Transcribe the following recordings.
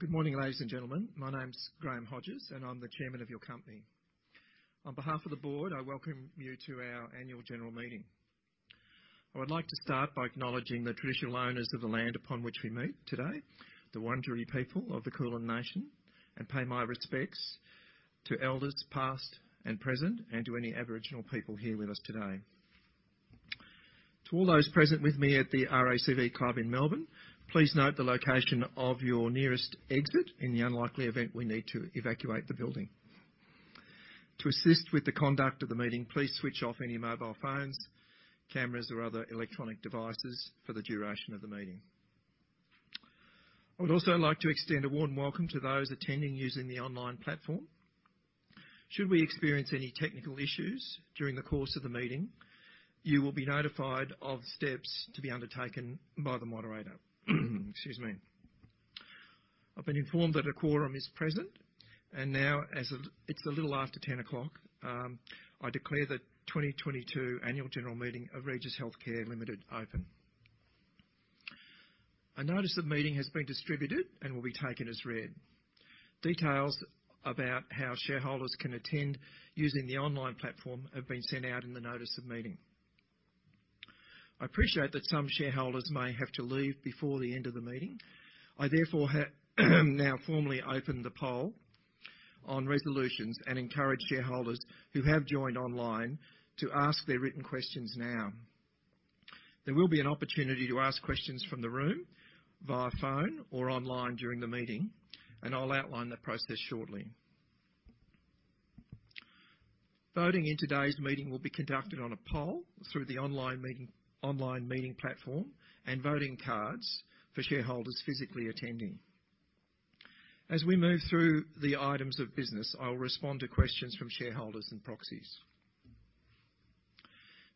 Good morning, ladies and gentlemen. My name's Graham Hodges, and I'm the Chairman of your company. On behalf of the board, I welcome you to our annual general meeting. I would like to start by acknowledging the traditional owners of the land upon which we meet today, the Wurundjeri people of the Kulin Nation, and pay my respects to elders past and present, and to any Aboriginal people here with us today. To all those present with me at the RACV Club in Melbourne, please note the location of your nearest exit in the unlikely event we need to evacuate the building. To assist with the conduct of the meeting, please switch off any mobile phones, cameras, or other electronic devices for the duration of the meeting. I would also like to extend a warm welcome to those attending using the online platform. Should we experience any technical issues during the course of the meeting, you will be notified of steps to be undertaken by the moderator. Excuse me. I've been informed that a quorum is present. It's a little after 10 o'clock. I declare the 2022 annual general meeting of Regis Healthcare Limited open. A notice of meeting has been distributed and will be taken as read. Details about how shareholders can attend using the online platform have been sent out in the notice of meeting. I appreciate that some shareholders may have to leave before the end of the meeting. I, therefore, now formally open the poll on resolutions and encourage shareholders who have joined online to ask their written questions now. There will be an opportunity to ask questions from the room via phone or online during the meeting, and I'll outline that process shortly. Voting in today's meeting will be conducted on a poll through the online meeting, online meeting platform and voting cards for shareholders physically attending. As we move through the items of business, I will respond to questions from shareholders and proxies.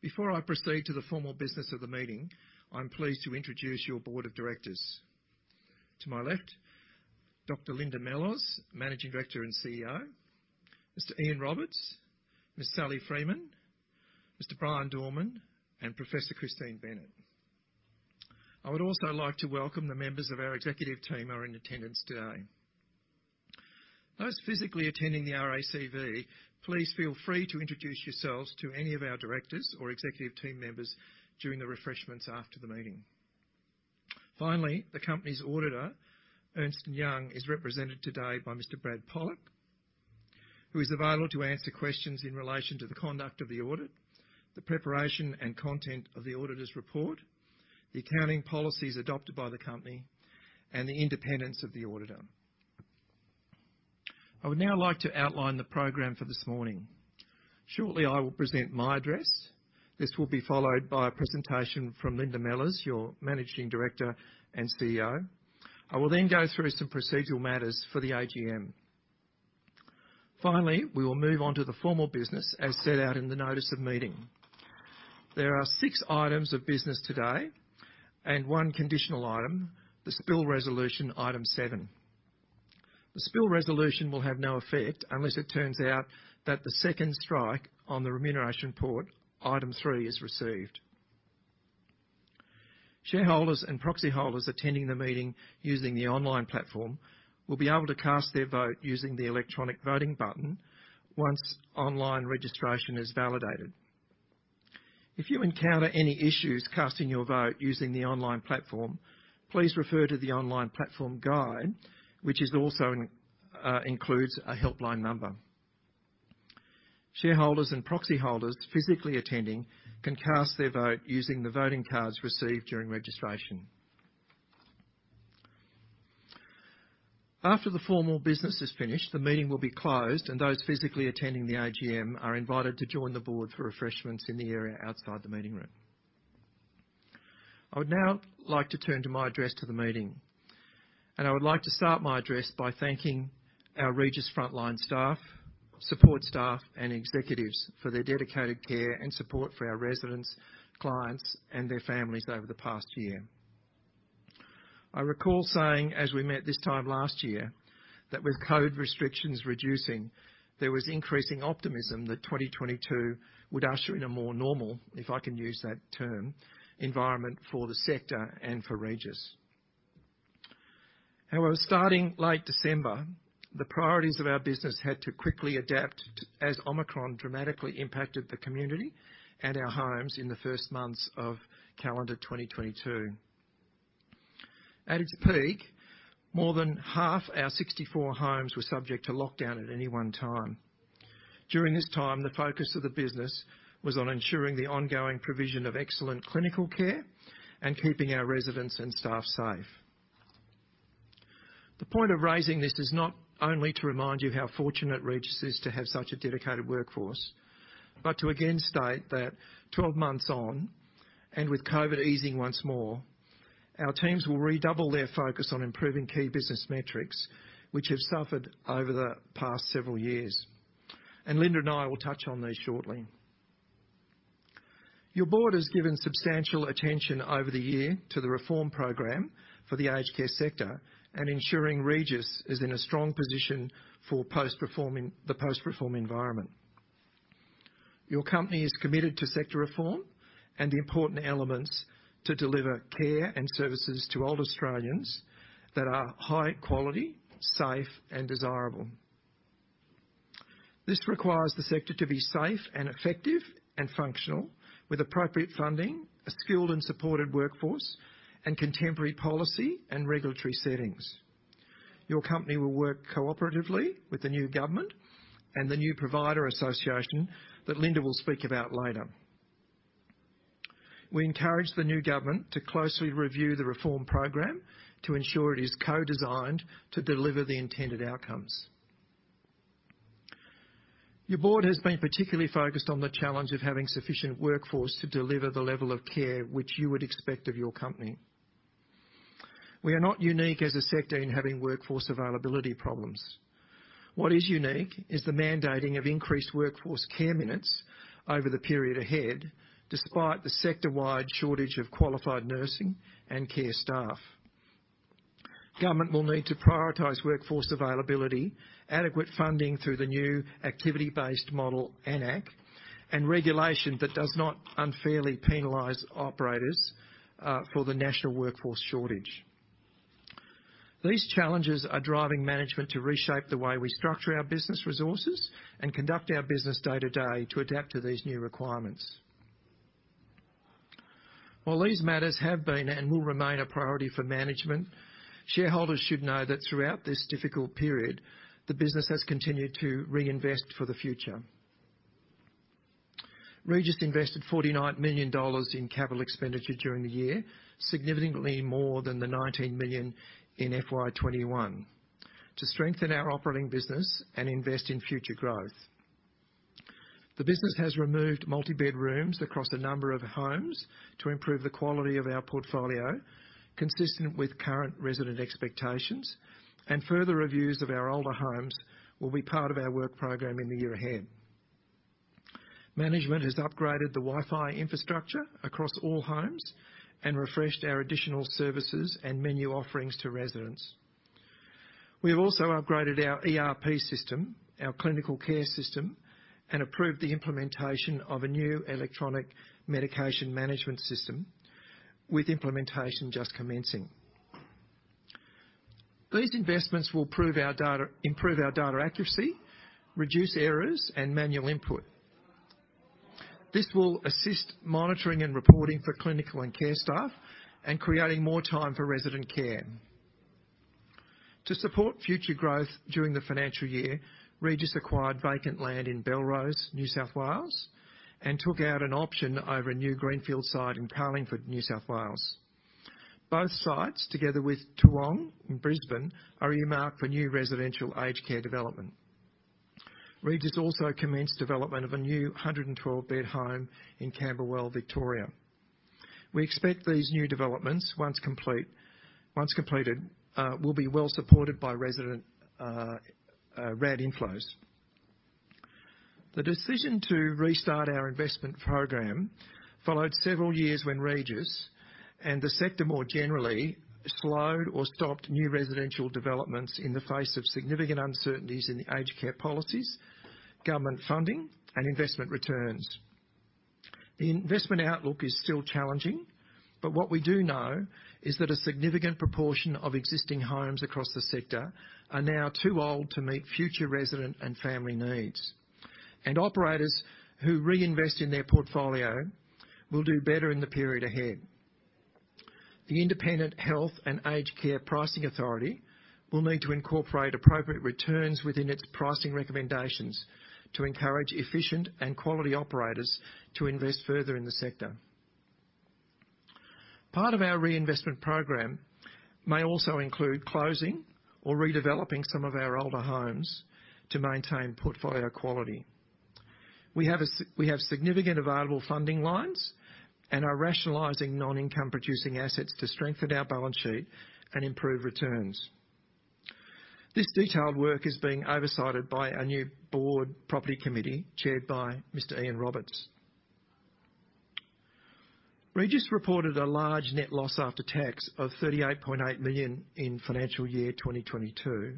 Before I proceed to the formal business of the meeting, I'm pleased to introduce your board of directors. To my left, Dr. Linda Mellors, Managing Director and CEO, Mr. Ian Roberts, Ms. Sally Freeman, Mr. Bryan Dorman, and Professor Christine Bennett. I would also like to welcome the members of our executive team who are in attendance today. Those physically attending the RACV, please feel free to introduce yourselves to any of our directors or executive team members during the refreshments after the meeting. Finally, the company's auditor, Ernst & Young, is represented today by Mr. Brad Pollock, who is available to answer questions in relation to the conduct of the audit, the preparation and content of the auditor's report, the accounting policies adopted by the company, and the independence of the auditor. I would now like to outline the program for this morning. Shortly, I will present my address. This will be followed by a presentation from Linda Mellors, your Managing Director and CEO. I will then go through some procedural matters for the AGM. Finally, we will move on to the formal business as set out in the notice of meeting. There are six items of business today and one conditional item, the spill resolution Item 7. The spill resolution will have no effect unless it turns out that the second strike on the remuneration report, item three, is received. Shareholders and proxyholders attending the meeting using the online platform will be able to cast their vote using the electronic voting button once online registration is validated. If you encounter any issues casting your vote using the online platform, please refer to the online platform guide, which also includes a helpline number. Shareholders and proxyholders physically attending can cast their vote using the voting cards received during registration. After the formal business is finished, the meeting will be closed, and those physically attending the AGM are invited to join the board for refreshments in the area outside the meeting room. I would now like to turn to my address to the meeting, and I would like to start my address by thanking our Regis frontline staff, support staff, and executives for their dedicated care and support for our residents, clients, and their families over the past year. I recall saying, as we met this time last year, that with COVID restrictions reducing, there was increasing optimism that 2022 would usher in a more normal, if I can use that term, environment for the sector and for Regis. However, starting late December, the priorities of our business had to quickly adapt as Omicron dramatically impacted the community and our homes in the first months of calendar 2022. At its peak, more than half our 64 homes were subject to lockdown at any one time. During this time, the focus of the business was on ensuring the ongoing provision of excellent clinical care and keeping our residents and staff safe. The point of raising this is not only to remind you how fortunate Regis is to have such a dedicated workforce, but to again state that 12 months on, and with COVID easing once more, our teams will redouble their focus on improving key business metrics, which have suffered over the past several years, and Linda and I will touch on these shortly. Your board has given substantial attention over the year to the reform program for the aged care sector and ensuring Regis is in a strong position to perform in the post-reform environment. Your company is committed to sector reform and the important elements to deliver care and services to all Australians that are high quality, safe and desirable. This requires the sector to be safe and effective and functional with appropriate funding, a skilled and supported workforce, and contemporary policy and regulatory settings. Your company will work cooperatively with the new government and the new provider association that Linda will speak about later. We encourage the new government to closely review the reform program to ensure it is co-designed to deliver the intended outcomes. Your board has been particularly focused on the challenge of having sufficient workforce to deliver the level of care which you would expect of your company. We are not unique as a sector in having workforce availability problems. What is unique is the mandating of increased workforce care minutes over the period ahead, despite the sector-wide shortage of qualified nursing and care staff. Government will need to prioritize workforce availability, adequate funding through the new activity-based model, AN-ACC, and regulation that does not unfairly penalize operators for the national workforce shortage. These challenges are driving management to reshape the way we structure our business resources and conduct our business day-to-day to adapt to these new requirements. While these matters have been and will remain a priority for management, shareholders should know that throughout this difficult period, the business has continued to reinvest for the future. Regis invested 49 million dollars in capital expenditure during the year, significantly more than the 19 million in FY 2021, to strengthen our operating business and invest in future growth. The business has removed multi-bed rooms across a number of homes to improve the quality of our portfolio consistent with current resident expectations, and further reviews of our older homes will be part of our work program in the year ahead. Management has upgraded the Wi-Fi infrastructure across all homes and refreshed our additional services and menu offerings to residents. We have also upgraded our ERP system, our clinical care system, and approved the implementation of a new electronic medication management system with implementation just commencing. These investments will improve our data accuracy, reduce errors and manual input. This will assist monitoring and reporting for clinical and care staff and creating more time for resident care. To support future growth during the financial year, Regis acquired vacant land in Belrose, New South Wales, and took out an option over a new greenfield site in Carlingford, New South Wales. Both sites, together with Toowong in Brisbane, are earmarked for new residential aged care development. Regis also commenced development of a new 112-bed home in Camberwell, Victoria. We expect these new developments, once completed, will be well supported by resident RAD inflows. The decision to restart our investment program followed several years when Regis, and the sector more generally, slowed or stopped new residential developments in the face of significant uncertainties in the aged care policies, government funding and investment returns. The investment outlook is still challenging, but what we do know is that a significant proportion of existing homes across the sector are now too old to meet future resident and family needs. Operators who reinvest in their portfolio will do better in the period ahead. The Independent Health and Aged Care Pricing Authority will need to incorporate appropriate returns within its pricing recommendations to encourage efficient and quality operators to invest further in the sector. Part of our reinvestment program may also include closing or redeveloping some of our older homes to maintain portfolio quality. We have significant available funding lines and are rationalizing non-income producing assets to strengthen our balance sheet and improve returns. This detailed work is being oversighted by our new board property committee, chaired by Mr. Ian Roberts. Regis reported a large net loss after tax of 38.8 million in financial year 2022,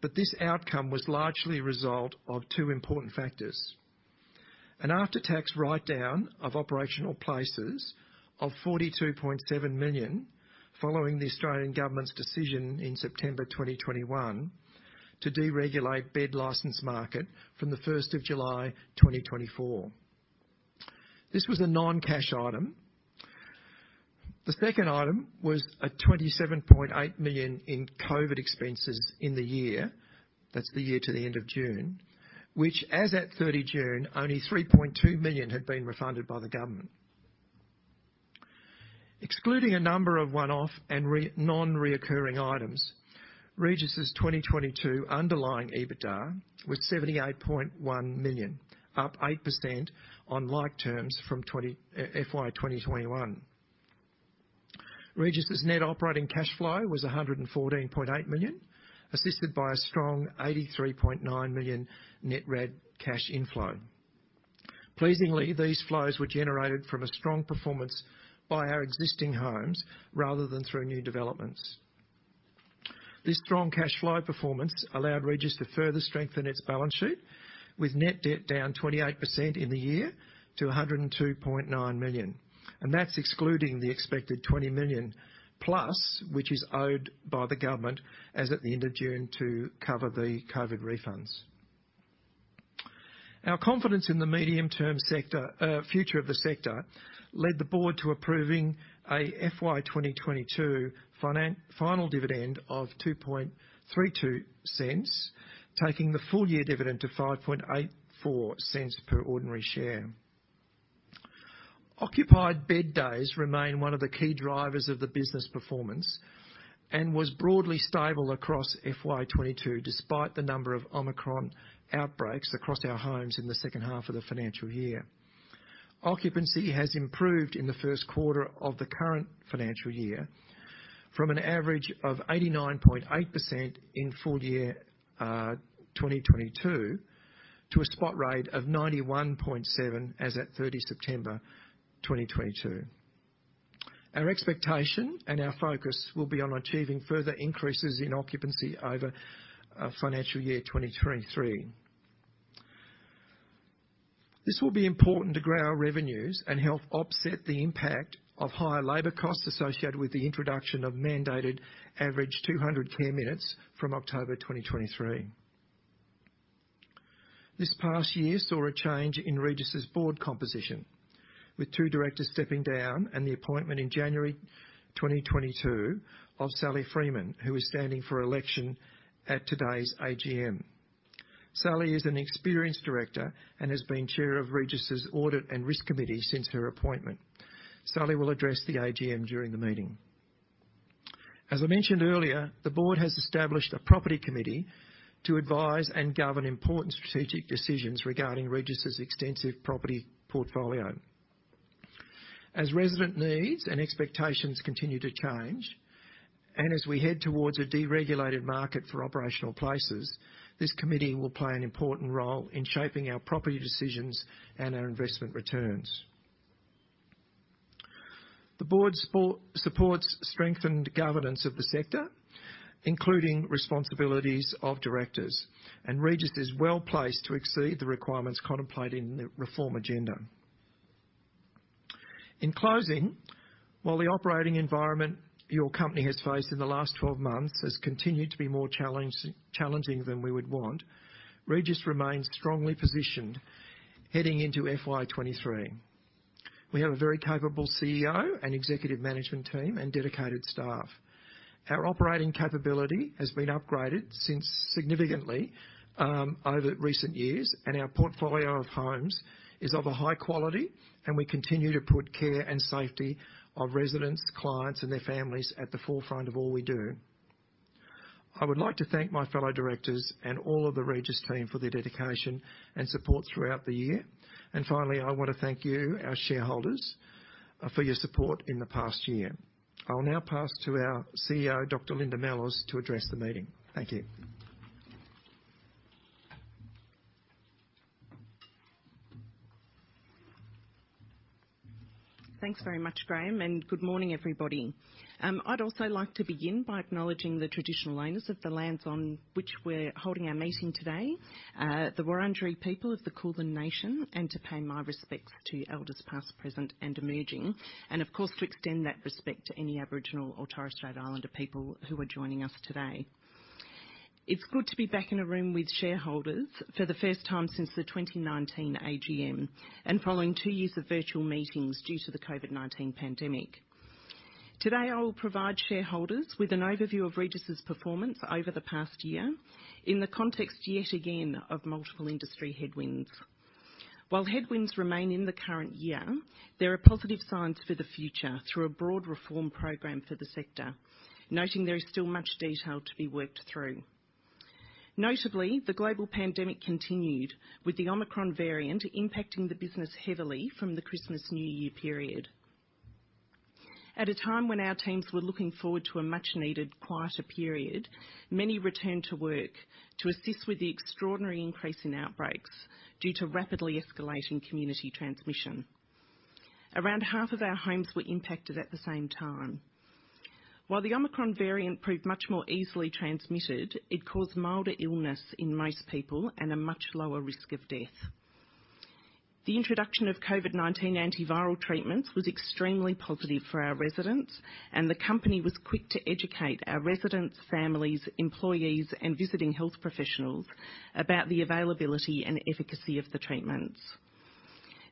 but this outcome was largely a result of two important factors. An after-tax write-down of operational places of 42.7 million following the Australian Government's decision in September 2021 to deregulate bed license market from the first of July 2024. This was a non-cash item. The second item was a 27.8 million in COVID expenses in the year, that's the year to the end of June, which as at 30 June, only 3.2 million had been refunded by the government. Excluding a number of one-off and non-recurring items, Regis's 2022 underlying EBITDA was 78.1 million, up 8% on like terms from FY 2021. Regis's net operating cash flow was 114.8 million, assisted by a strong 83.9 million net RAD cash inflow. Pleasingly, these flows were generated from a strong performance by our existing homes rather than through new developments. This strong cash flow performance allowed Regis to further strengthen its balance sheet, with net debt down 28% in the year to 102.9 million. That's excluding the expected 20 million plus, which is owed by the government as at the end of June to cover the COVID refunds. Our confidence in the medium-term sector future of the sector led the board to approving a FY 2022 final dividend of 0.0232, taking the full-year dividend to 0.0584 per ordinary share. Occupied bed days remain one of the key drivers of the business performance and was broadly stable across FY 2022 despite the number of Omicron outbreaks across our homes in the second half of the financial year. Occupancy has improved in the first quarter of the current financial year from an average of 89.8% in full-year 2022 to a spot rate of 91.7% as at 30 September 2022. Our expectation and our focus will be on achieving further increases in occupancy over financial year 2023. This will be important to grow our revenues and help offset the impact of higher labor costs associated with the introduction of mandated average 200 care minutes from October 2023. This past year saw a change in Regis's board composition, with two directors stepping down and the appointment in January 2022 of Sally Freeman, who is standing for election at today's AGM. Sally is an experienced director and has been chair of Regis's Audit and Risk Committee since her appointment. Sally will address the AGM during the meeting. As I mentioned earlier, the board has established a property committee to advise and govern important strategic decisions regarding Regis's extensive property portfolio. As resident needs and expectations continue to change, and as we head towards a deregulated market for operational places, this committee will play an important role in shaping our property decisions and our investment returns. The board supports strengthened governance of the sector, including responsibilities of directors, and Regis is well-placed to exceed the requirements contemplated in the reform agenda. In closing, while the operating environment your company has faced in the last 12 months has continued to be more challenging than we would want, Regis remains strongly positioned heading into FY 2023. We have a very capable CEO and executive management team and dedicated staff. Our operating capability has been upgraded significantly over recent years, and our portfolio of homes is of a high quality, and we continue to put care and safety of residents, clients, and their families at the forefront of all we do. I would like to thank my fellow directors and all of the Regis team for their dedication and support throughout the year. Finally, I want to thank you, our shareholders, for your support in the past year. I'll now pass to our CEO, Dr. Linda Mellors, to address the meeting. Thank you. Thanks very much, Graham, and good morning, everybody. I'd also like to begin by acknowledging the traditional owners of the lands on which we're holding our meeting today, the Wurundjeri people of the Kulin Nation, and to pay my respects to elders past, present, and emerging, and of course, to extend that respect to any Aboriginal or Torres Strait Islander people who are joining us today. It's good to be back in a room with shareholders for the first time since the 2019 AGM and following two years of virtual meetings due to the COVID-19 pandemic. Today, I will provide shareholders with an overview of Regis's performance over the past year in the context, yet again, of multiple industry headwinds. While headwinds remain in the current year, there are positive signs for the future through a broad reform program for the sector, noting there is still much detail to be worked through. Notably, the global pandemic continued, with the Omicron variant impacting the business heavily from the Christmas-New Year period. At a time when our teams were looking forward to a much-needed quieter period, many returned to work to assist with the extraordinary increase in outbreaks due to rapidly escalating community transmission. Around half of our homes were impacted at the same time. While the Omicron variant proved much more easily transmitted, it caused milder illness in most people and a much lower risk of death. The introduction of COVID-19 antiviral treatments was extremely positive for our residents, and the company was quick to educate our residents, families, employees, and visiting health professionals about the availability and efficacy of the treatments.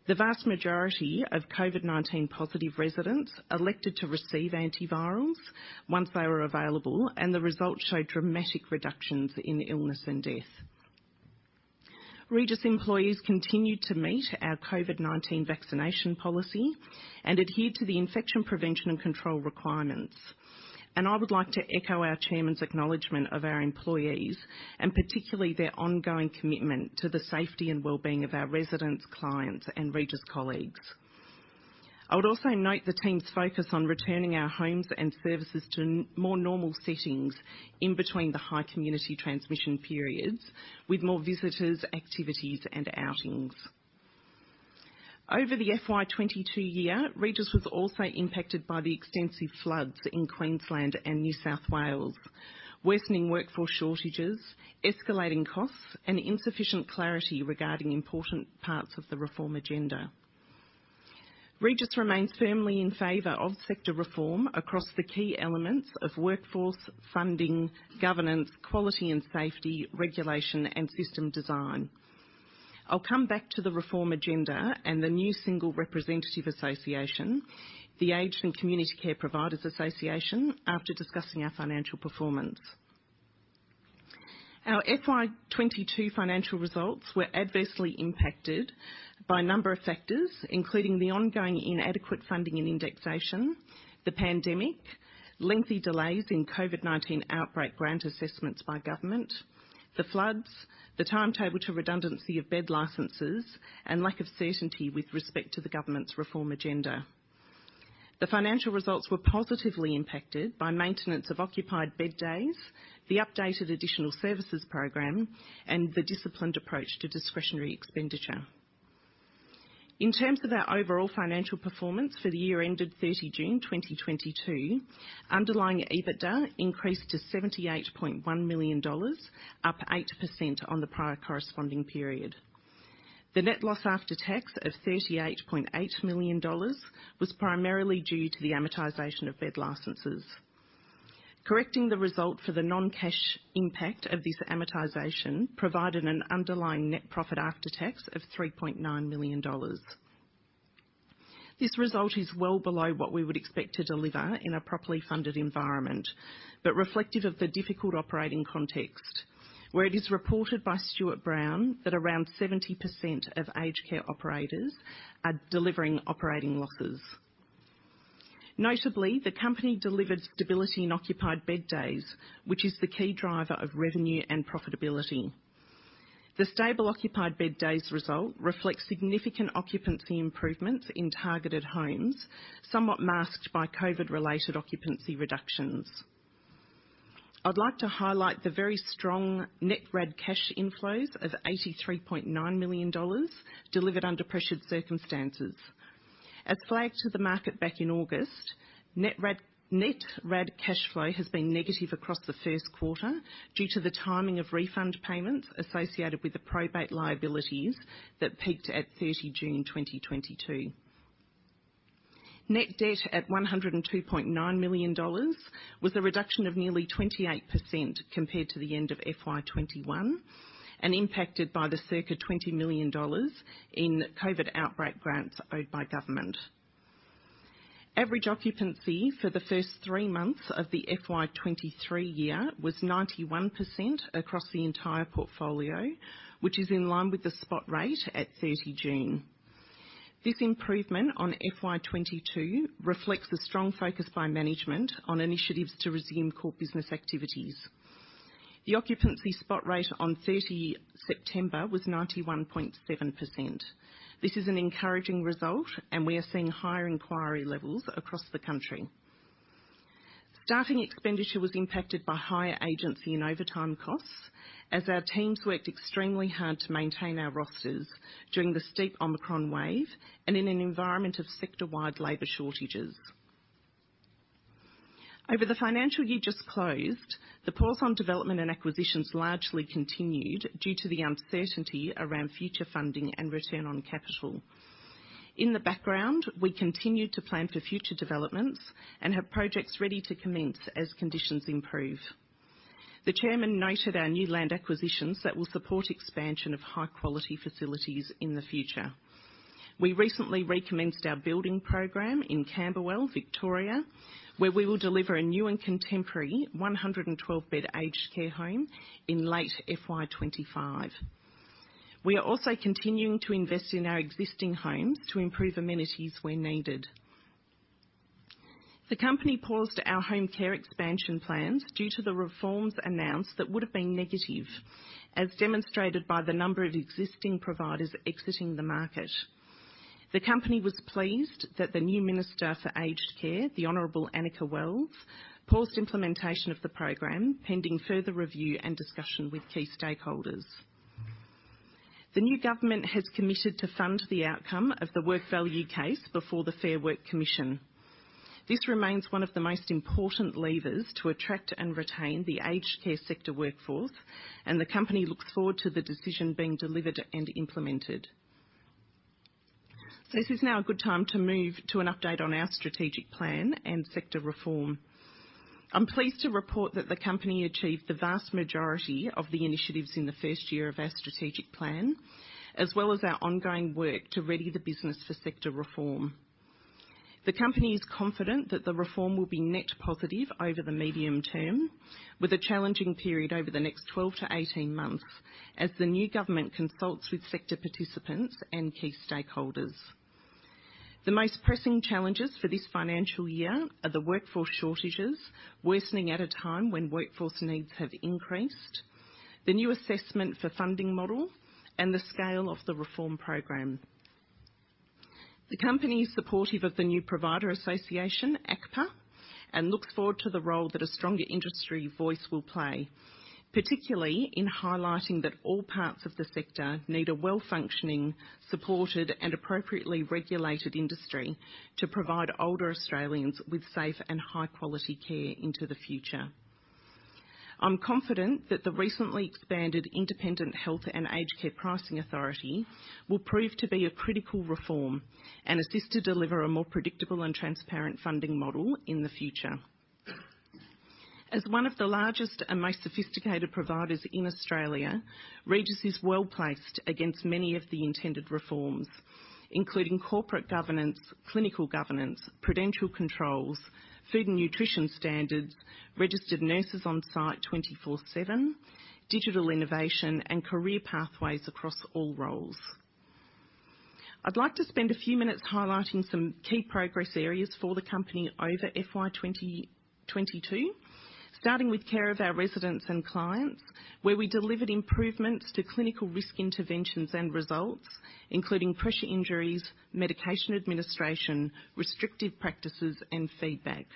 The vast majority of COVID-19 positive residents elected to receive antivirals once they were available, and the results showed dramatic reductions in illness and death. Regis employees continued to meet our COVID-19 vaccination policy and adhere to the infection prevention and control requirements. I would like to echo our chairman's acknowledgment of our employees, and particularly their ongoing commitment to the safety and well-being of our residents, clients, and Regis colleagues. I would also note the team's focus on returning our homes and services to more normal settings in between the high community transmission periods with more visitors, activities, and outings. Over the FY 2022 year, Regis was also impacted by the extensive floods in Queensland and New South Wales, worsening workforce shortages, escalating costs, and insufficient clarity regarding important parts of the reform agenda. Regis remains firmly in favor of sector reform across the key elements of workforce funding, governance, quality and safety, regulation, and system design. I'll come back to the reform agenda and the new single representative association, the Aged and Community Care Providers Association, after discussing our financial performance. Our FY 2022 financial results were adversely impacted by a number of factors, including the ongoing inadequate funding and indexation, the pandemic, lengthy delays in COVID-19 outbreak grant assessments by government, the floods, the timetable to redundancy of bed licenses, and lack of certainty with respect to the government's reform agenda. The financial results were positively impacted by maintenance of occupied bed days, the updated additional services program, and the disciplined approach to discretionary expenditure. In terms of our overall financial performance for the year ended 30 June 2022, underlying EBITDA increased to AUD 78.1 million, up 8% on the prior corresponding period. The net loss after tax of 38.8 million dollars was primarily due to the amortization of bed licenses. Correcting the result for the non-cash impact of this amortization provided an underlying net profit after tax of 3.9 million dollars. This result is well below what we would expect to deliver in a properly funded environment, but reflective of the difficult operating context, where it is reported by StewartBrown that around 70% of aged care operators are delivering operating losses. Notably, the company delivered stability in occupied bed days, which is the key driver of revenue and profitability. The stable occupied bed days result reflects significant occupancy improvements in targeted homes, somewhat masked by COVID-related occupancy reductions. I'd like to highlight the very strong net RAD cash inflows of 83.9 million dollars delivered under pressured circumstances. As flagged to the market back in August, net RAD cash flow has been negative across the first quarter due to the timing of refund payments associated with the probate liabilities that peaked at 30 June 2022. Net debt at 102.9 million dollars was a reduction of nearly 28% compared to the end of FY 2021 and impacted by the circa 20 million dollars in COVID outbreak grants owed by government. Average occupancy for the first three months of the FY 2023 year was 91% across the entire portfolio, which is in line with the spot rate at 30 June. This improvement on FY 2022 reflects the strong focus by management on initiatives to resume core business activities. The occupancy spot rate on 30 September was 91.7%. This is an encouraging result, and we are seeing higher inquiry levels across the country. Staffing expenditure was impacted by higher agency and overtime costs as our teams worked extremely hard to maintain our rosters during the steep Omicron wave and in an environment of sector-wide labor shortages. Over the financial year just closed, the pause on development and acquisitions largely continued due to the uncertainty around future funding and return on capital. In the background, we continued to plan for future developments and have projects ready to commence as conditions improve. The chairman noted our new land acquisitions that will support expansion of high-quality facilities in the future. We recently recommenced our building program in Camberwell, Victoria, where we will deliver a new and contemporary 112-bed aged care home in late FY 2025. We are also continuing to invest in our existing homes to improve amenities where needed. The company paused our home care expansion plans due to the reforms announced that would have been negative, as demonstrated by the number of existing providers exiting the market. The company was pleased that the new Minister for Aged Care, the Honorable Anika Wells, paused implementation of the program pending further review and discussion with key stakeholders. The new government has committed to fund the outcome of the Work Value case before the Fair Work Commission. This remains one of the most important levers to attract and retain the aged care sector workforce, and the company looks forward to the decision being delivered and implemented. This is now a good time to move to an update on our strategic plan and sector reform. I'm pleased to report that the company achieved the vast majority of the initiatives in the first year of our strategic plan, as well as our ongoing work to ready the business for sector reform. The company is confident that the reform will be net positive over the medium term, with a challenging period over the next 12-18 months as the new government consults with sector participants and key stakeholders. The most pressing challenges for this financial year are the workforce shortages, worsening at a time when workforce needs have increased, the new AN-ACC funding model, and the scale of the reform program. The company is supportive of the new provider association, ACCPA. Looks forward to the role that a stronger industry voice will play, particularly in highlighting that all parts of the sector need a well-functioning, supported, and appropriately regulated industry to provide older Australians with safe and high-quality care into the future. I'm confident that the recently expanded Independent Health and Aged Care Pricing Authority will prove to be a critical reform and assist to deliver a more predictable and transparent funding model in the future. As one of the largest and most sophisticated providers in Australia, Regis is well-placed against many of the intended reforms, including corporate governance, clinical governance, prudential controls, food and nutrition standards, registered nurses on site 24/7, digital innovation, and career pathways across all roles. I'd like to spend a few minutes highlighting some key progress areas for the company over FY 2022, starting with care of our residents and clients, where we delivered improvements to clinical risk interventions and results, including pressure injuries, medication administration, restrictive practices, and feedback.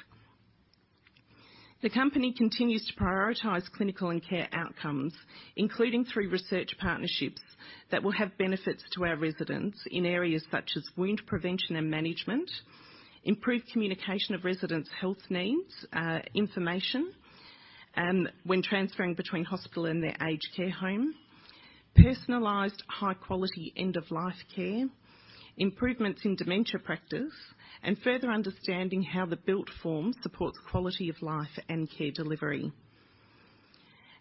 The company continues to prioritize clinical and care outcomes, including through research partnerships that will have benefits to our residents in areas such as wound prevention and management, improved communication of residents' health needs, information when transferring between hospital and their aged care home, personalized high-quality end-of-life care, improvements in dementia practice, and further understanding how the built form supports quality of life and care delivery.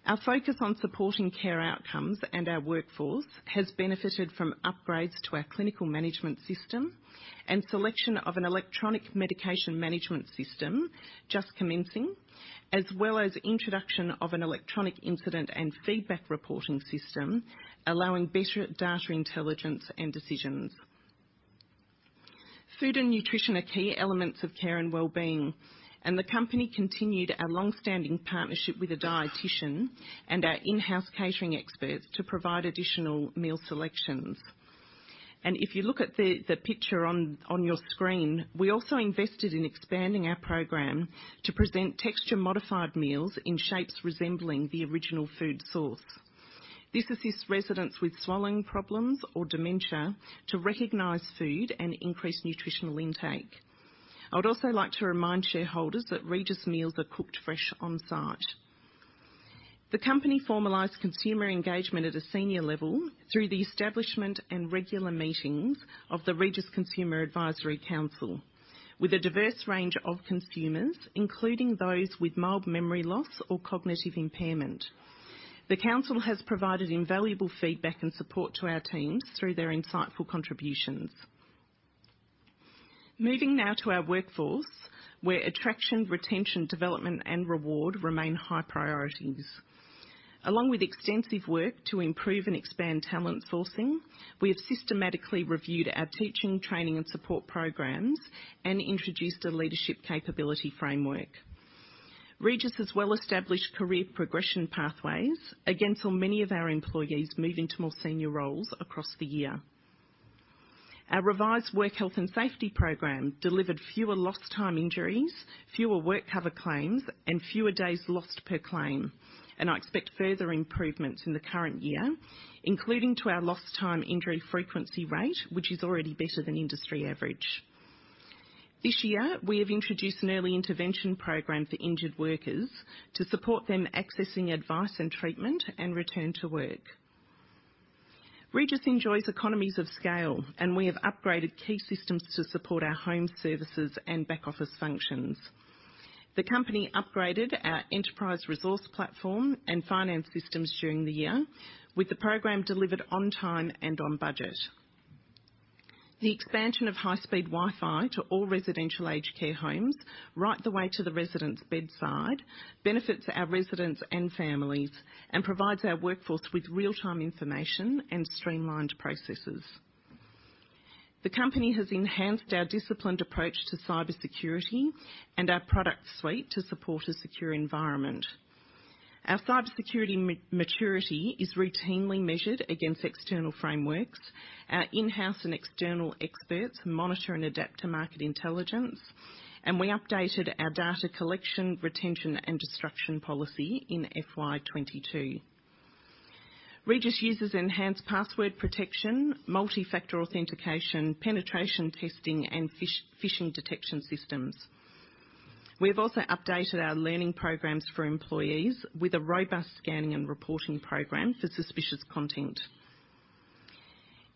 Our focus on supporting care outcomes and our workforce has benefited from upgrades to our clinical management system and selection of an electronic medication management system just commencing, as well as introduction of an electronic incident and feedback reporting system, allowing better data intelligence and decisions. Food and nutrition are key elements of care and well-being, and the company continued a long-standing partnership with a dietitian and our in-house catering experts to provide additional meal selections. If you look at the picture on your screen, we also invested in expanding our program to present texture-modified meals in shapes resembling the original food source. This assists residents with swallowing problems or dementia to recognize food and increase nutritional intake. I would also like to remind shareholders that Regis meals are cooked fresh on-site. The company formalized consumer engagement at a senior level through the establishment and regular meetings of the Regis Consumer Advisory Council with a diverse range of consumers, including those with mild memory loss or cognitive impairment. The council has provided invaluable feedback and support to our teams through their insightful contributions. Moving now to our workforce, where attraction, retention, development, and reward remain high priorities. Along with extensive work to improve and expand talent sourcing, we have systematically reviewed our teaching, training, and support programs and introduced a leadership capability framework. Regis has well-established career progression pathways, again saw many of our employees move into more senior roles across the year. Our revised work health and safety program delivered fewer lost time injuries, fewer work cover claims, and fewer days lost per claim. I expect further improvements in the current year, including to our lost time injury frequency rate, which is already better than industry average. This year, we have introduced an early intervention program for injured workers to support them accessing advice and treatment and return to work. Regis enjoys economies of scale, and we have upgraded key systems to support our home services and back-office functions. The company upgraded our enterprise resource platform and finance systems during the year with the program delivered on time and on budget. The expansion of high-speed Wi-Fi to all residential aged care homes right the way to the residents' bedside benefits our residents and families and provides our workforce with real-time information and streamlined processes. The company has enhanced our disciplined approach to cybersecurity and our product suite to support a secure environment. Our cybersecurity maturity is routinely measured against external frameworks. Our in-house and external experts monitor and adapt to market intelligence, and we updated our data collection, retention, and destruction policy in FY 2022. Regis uses enhanced password protection, multi-factor authentication, penetration testing, and phishing detection systems. We have also updated our learning programs for employees with a robust scanning and reporting program for suspicious content.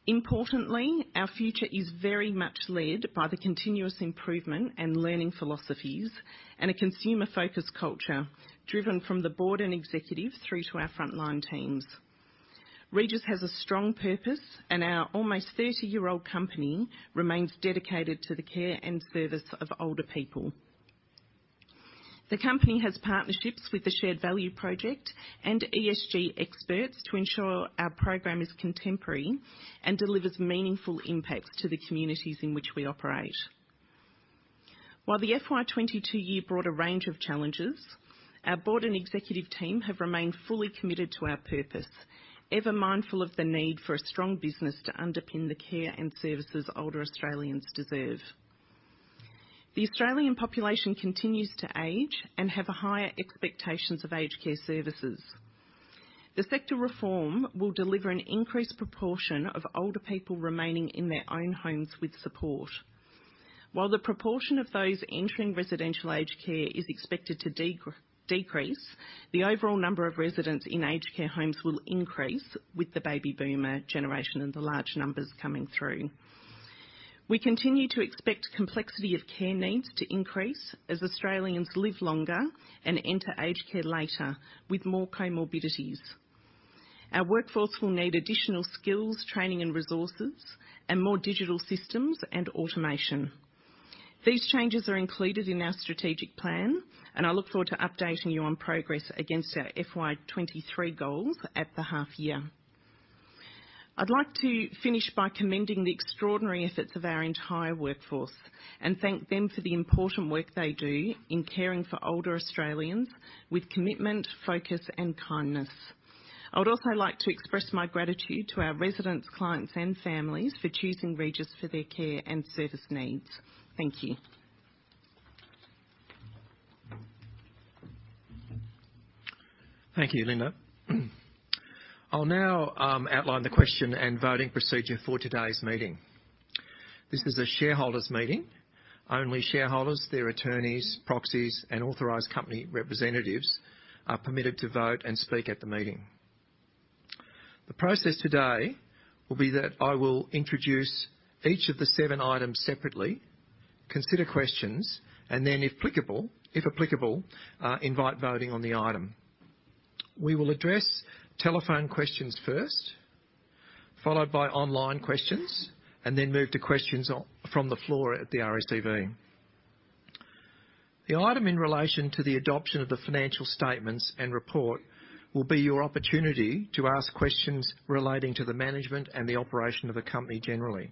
Importantly, our future is very much led by the continuous improvement and learning philosophies and a consumer-focused culture driven from the board and executive through to our frontline teams. Regis has a strong purpose, and our almost 30-year-old company remains dedicated to the care and service of older people. The company has partnerships with the Shared Value Project and ESG experts to ensure our program is contemporary and delivers meaningful impacts to the communities in which we operate. While the FY 2022 year brought a range of challenges, our board and executive team have remained fully committed to our purpose, ever mindful of the need for a strong business to underpin the care and services older Australians deserve. The Australian population continues to age and have higher expectations of aged care services. The sector reform will deliver an increased proportion of older people remaining in their own homes with support. While the proportion of those entering residential aged care is expected to decrease, the overall number of residents in aged care homes will increase with the baby boomer generation and the large numbers coming through. We continue to expect complexity of care needs to increase as Australians live longer and enter aged care later with more comorbidities. Our workforce will need additional skills, training, and resources, and more digital systems and automation. These changes are included in our strategic plan, and I look forward to updating you on progress against our FY 2023 goals at the half year. I'd like to finish by commending the extraordinary efforts of our entire workforce and thank them for the important work they do in caring for older Australians with commitment, focus, and kindness. I would also like to express my gratitude to our residents, clients, and families for choosing Regis for their care and service needs. Thank you. Thank you, Linda. I'll now outline the question and voting procedure for today's meeting. This is a shareholders meeting. Only shareholders, their attorneys, proxies, and authorized company representatives are permitted to vote and speak at the meeting. The process today will be that I will introduce each of the seven items separately, consider questions, and then, if applicable, invite voting on the item. We will address telephone questions first, followed by online questions, and then move to questions from the floor at the RSV. The item in relation to the adoption of the financial statements and report will be your opportunity to ask questions relating to the management and the operation of the company generally.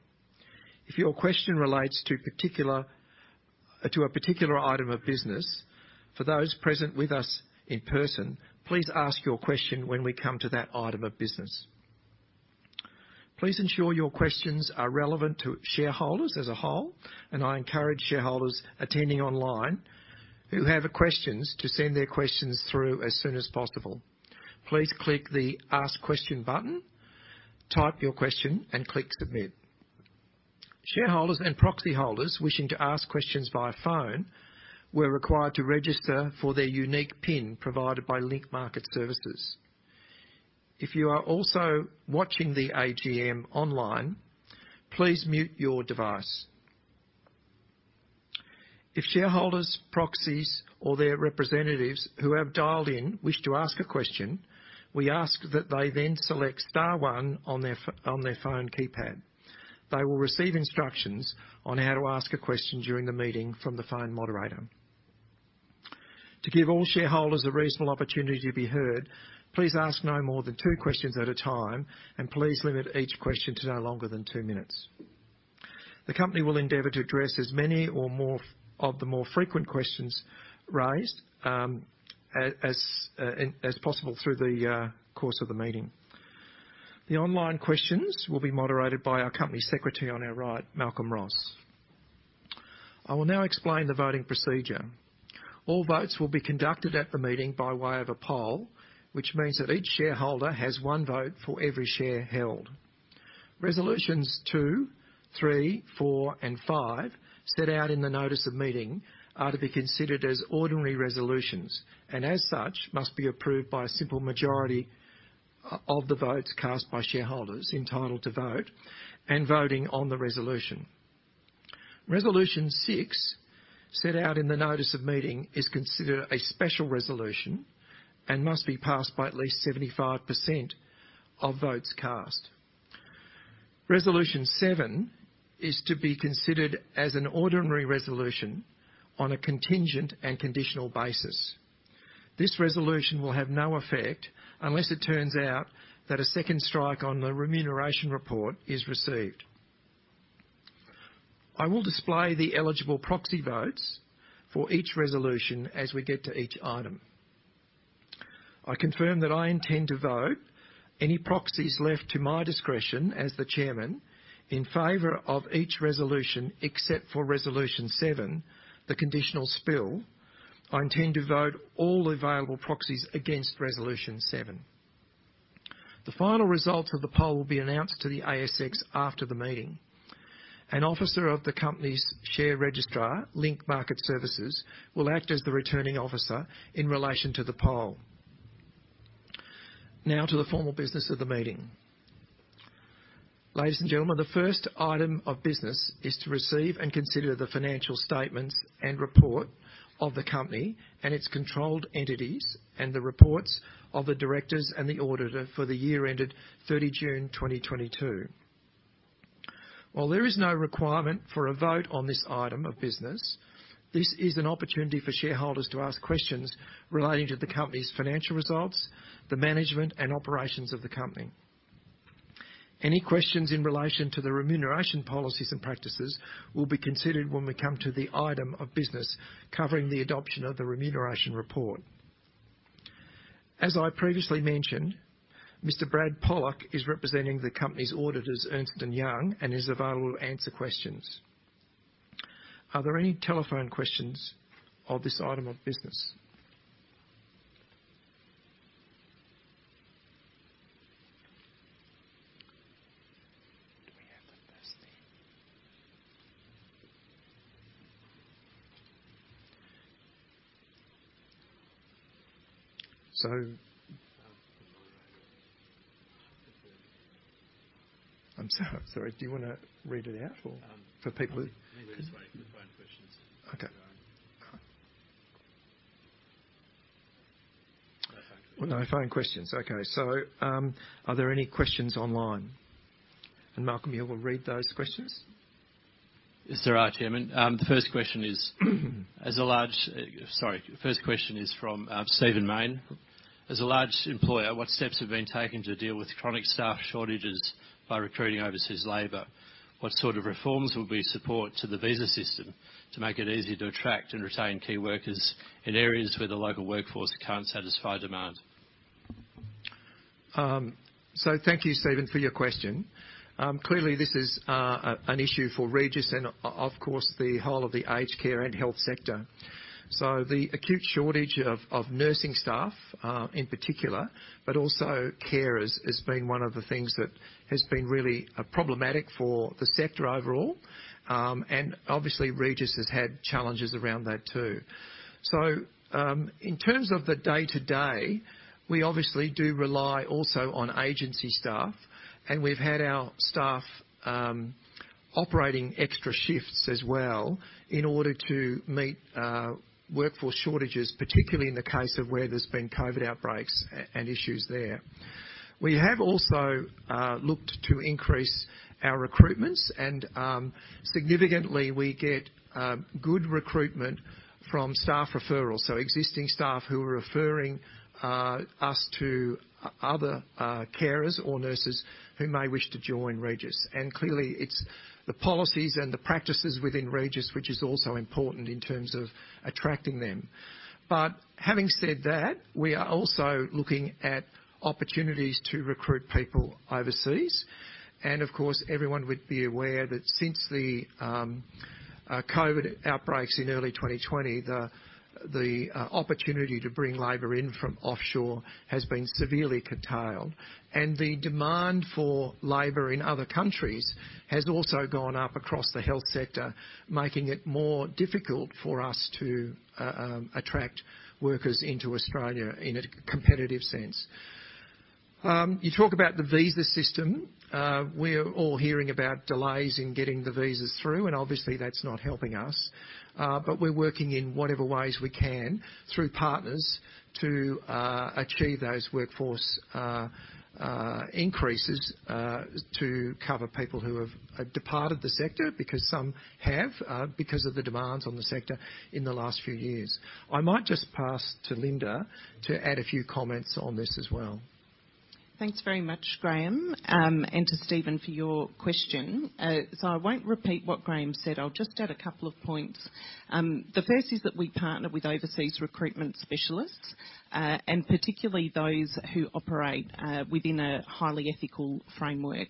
If your question relates to a particular item of business, for those present with us in person, please ask your question when we come to that item of business. Please ensure your questions are relevant to shareholders as a whole, and I encourage shareholders attending online who have questions to send their questions through as soon as possible. Please click the Ask Question button, type your question, and click Submit. Shareholders and proxy holders wishing to ask questions via phone were required to register for their unique PIN provided by Link Market Services. If you are also watching the AGM online, please mute your device. If shareholders, proxies, or their representatives who have dialed in wish to ask a question, we ask that they then select star one on their phone keypad. They will receive instructions on how to ask a question during the meeting from the phone moderator. To give all shareholders a reasonable opportunity to be heard, please ask no more than two questions at a time, and please limit each question to no longer than two minutes. The company will endeavor to address as many or more of the more frequent questions raised, as possible through the course of the meeting. The online questions will be moderated by our company secretary on our right, Malcolm Ross. I will now explain the voting procedure. All votes will be conducted at the meeting by way of a poll, which means that each shareholder has one vote for every share held. Resolutions 2, 3, 4, and 5 set out in the notice of meeting are to be considered as ordinary resolutions and as such must be approved by a simple majority of the votes cast by shareholders entitled to vote and voting on the resolution. Resolution 6, set out in the notice of meeting, is considered a special resolution and must be passed by at least 75% of votes cast. Resolution 7 is to be considered as an ordinary resolution on a contingent and conditional basis. This resolution will have no effect unless it turns out that a second strike on the remuneration report is received. I will display the eligible proxy votes for each resolution as we get to each item. I confirm that I intend to vote any proxies left to my discretion as the chairman in favor of each resolution, except for Resolution 7, the conditional spill. I intend to vote all available proxies against Resolution 7. The final results of the poll will be announced to the ASX after the meeting. An officer of the company's share registrar, Link Market Services, will act as the returning officer in relation to the poll. Now to the formal business of the meeting. Ladies and gentlemen, the first item of business is to receive and consider the financial statements and report of the company and its controlled entities and the reports of the directors and the auditor for the year ended 30 June 2022. While there is no requirement for a vote on this item of business, this is an opportunity for shareholders to ask questions relating to the company's financial results, the management, and operations of the company. Any questions in relation to the remuneration policies and practices will be considered when we come to the item of business covering the adoption of the remuneration report. As I previously mentioned, Mr. Brad Pollock is representing the company's auditors, Ernst & Young, and is available to answer questions. Are there any telephone questions on this item of business? Do we have the first then? I'm so sorry. Do you wanna read it out or? Um. For people who. Maybe we'll just wait for the phone questions. Okay. No phone questions. No phone questions. Okay. Are there any questions online? Malcolm, you will read those questions. Yes, there are, Chairman. The first question is from Stephen Mayne. As a large employer, what steps have been taken to deal with chronic staff shortages by recruiting overseas labor? What sort of reforms will you support to the visa system to make it easier to attract and retain key workers in areas where the local workforce can't satisfy demand? Thank you, Stephen, for your question. Clearly this is an issue for Regis and of course, the whole of the aged care and health sector. The acute shortage of nursing staff, in particular, but also carers, has been one of the things that has been really problematic for the sector overall. Obviously, Regis has had challenges around that too. In terms of the day-to-day, we obviously do rely also on agency staff, and we've had our staff operating extra shifts as well in order to meet workforce shortages, particularly in the case of where there's been COVID outbreaks and issues there. We have also looked to increase our recruitments and, significantly we get good recruitment from staff referrals, so existing staff who are referring us to other carers or nurses who may wish to join Regis. Clearly it's the policies and the practices within Regis, which is also important in terms of attracting them. Having said that, we are also looking at opportunities to recruit people overseas. Of course, everyone would be aware that since the COVID outbreaks in early 2020, the opportunity to bring labor in from offshore has been severely curtailed. The demand for labor in other countries has also gone up across the health sector, making it more difficult for us to attract workers into Australia in a competitive sense. You talk about the visa system. We're all hearing about delays in getting the visas through, and obviously that's not helping us. We're working in whatever ways we can through partners to achieve those workforce increases to cover people who have departed the sector, because some have because of the demands on the sector in the last few years. I might just pass to Linda to add a few comments on this as well. Thanks very much, Graham, and to Stephen for your question. I won't repeat what Graham said. I'll just add a couple of points. The first is that we partner with overseas recruitment specialists, and particularly those who operate within a highly ethical framework.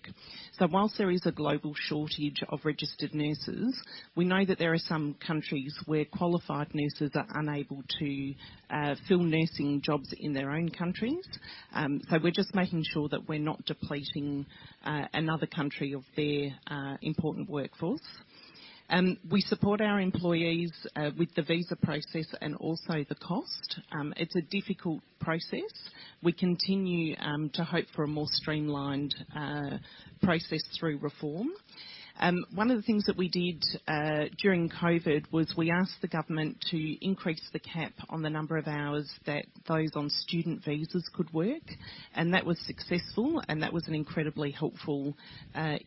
While there is a global shortage of registered nurses, we know that there are some countries where qualified nurses are unable to fill nursing jobs in their own countries. We're just making sure that we're not depleting another country of their important workforce. We support our employees with the visa process and also the cost. It's a difficult process. We continue to hope for a more streamlined process through reform. One of the things that we did during COVID was we asked the government to increase the cap on the number of hours that those on student visas could work, and that was successful, and that was an incredibly helpful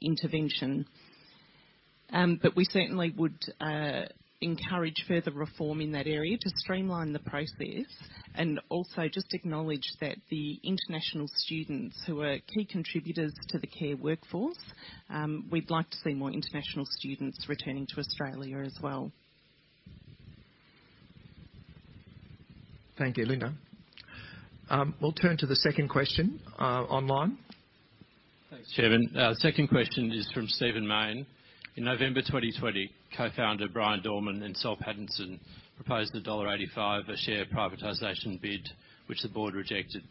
intervention. We certainly would encourage further reform in that area to streamline the process and also just acknowledge that the international students who are key contributors to the care workforce, we'd like to see more international students returning to Australia as well. Thank you, Linda. We'll turn to the second question, online. Thanks, Chairman. Second question is from Stephen Mayne. In November 2020, Co-founder Bryan Dorman and Soul Pattinson proposed a AUD 1.85 a share privatization bid, which the board rejected.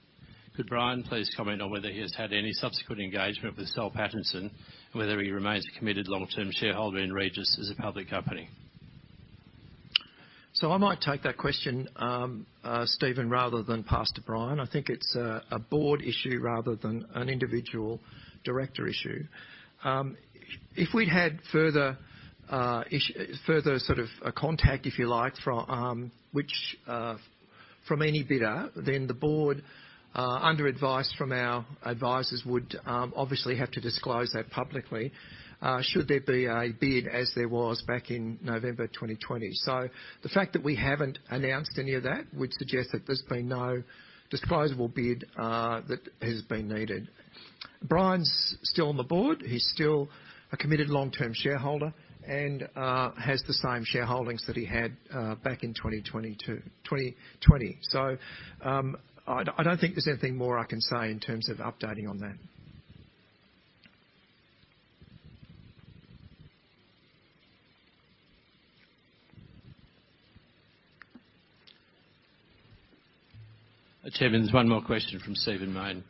Could Bryan please comment on whether he has had any subsequent engagement with Soul Pattinson, and whether he remains a committed long-term shareholder in Regis as a public company? I might take that question, Stephen, rather than pass to Bryan. I think it's a board issue rather than an individual director issue. If we'd had further sort of a contact, if you like, from any bidder, then the board, under advice from our advisors, would obviously have to disclose that publicly, should there be a bid as there was back in November 2020. The fact that we haven't announced any of that would suggest that there's been no disclosable bid that has been received. Bryan’s still on the board. He’s still a committed long-term shareholder and has the same shareholdings that he had back in 2020. I don't think there's anything more I can say in terms of updating on that. Chairman, there's one more question from Stephen Mayne.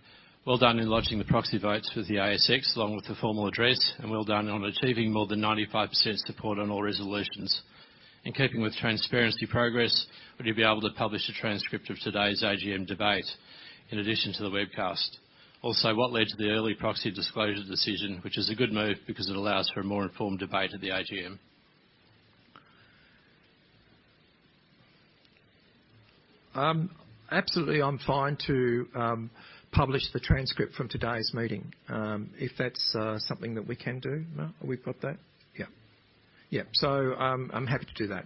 Well done in lodging the proxy votes with the ASX, along with the formal address, and well done on achieving more than 95% support on all resolutions. In keeping with transparency progress, would you be able to publish a transcript of today's AGM debate in addition to the webcast? Also, what led to the early proxy disclosure decision, which is a good move because it allows for a more informed debate at the AGM? Absolutely. I'm fine to publish the transcript from today's meeting. If that's something that we can do. We've got that? Yeah. Yeah. I'm happy to do that.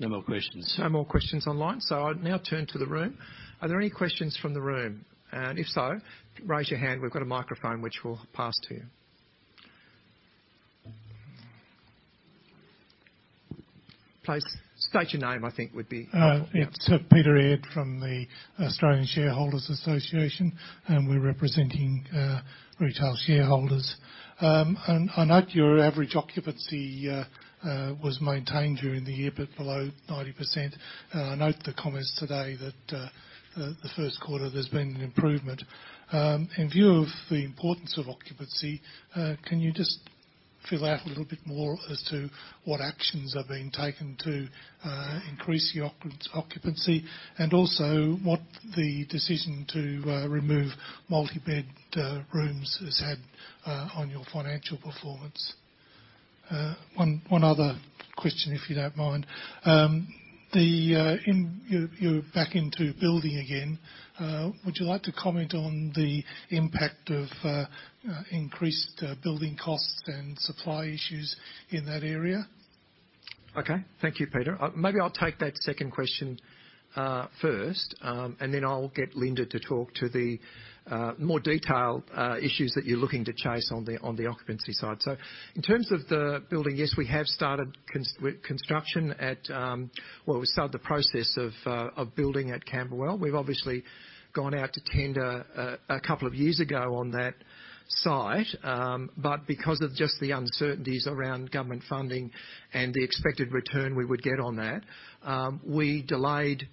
No more questions. No more questions online. I'll now turn to the room. Are there any questions from the room? If so, raise your hand. We've got a microphone which we'll pass to you. Please state your name, I think would be helpful. Yeah. It's Peter Aird from the Australian Shareholders' Association, and we're representing retail shareholders. I note your average occupancy was maintained during the year, but below 90%. I note the comments today that the first quarter there's been an improvement. In view of the importance of occupancy, can you just fill out a little bit more as to what actions are being taken to increase the occupancy, and also what the decision to remove multi-bed rooms has had on your financial performance? One other question, if you don't mind. You're back into building again. Would you like to comment on the impact of increased building costs and supply issues in that area? Okay. Thank you, Peter. Maybe I'll take that second question first, and then I'll get Linda Mellors to talk to the more detailed issues that you're looking to chase on the occupancy side. In terms of the building, yes, we have started construction at Camberwell. Well, we started the process of building at Camberwell. We've obviously gone out to tender a couple of years ago on that site. But because of just the uncertainties around government funding and the expected return we would get on that, we delayed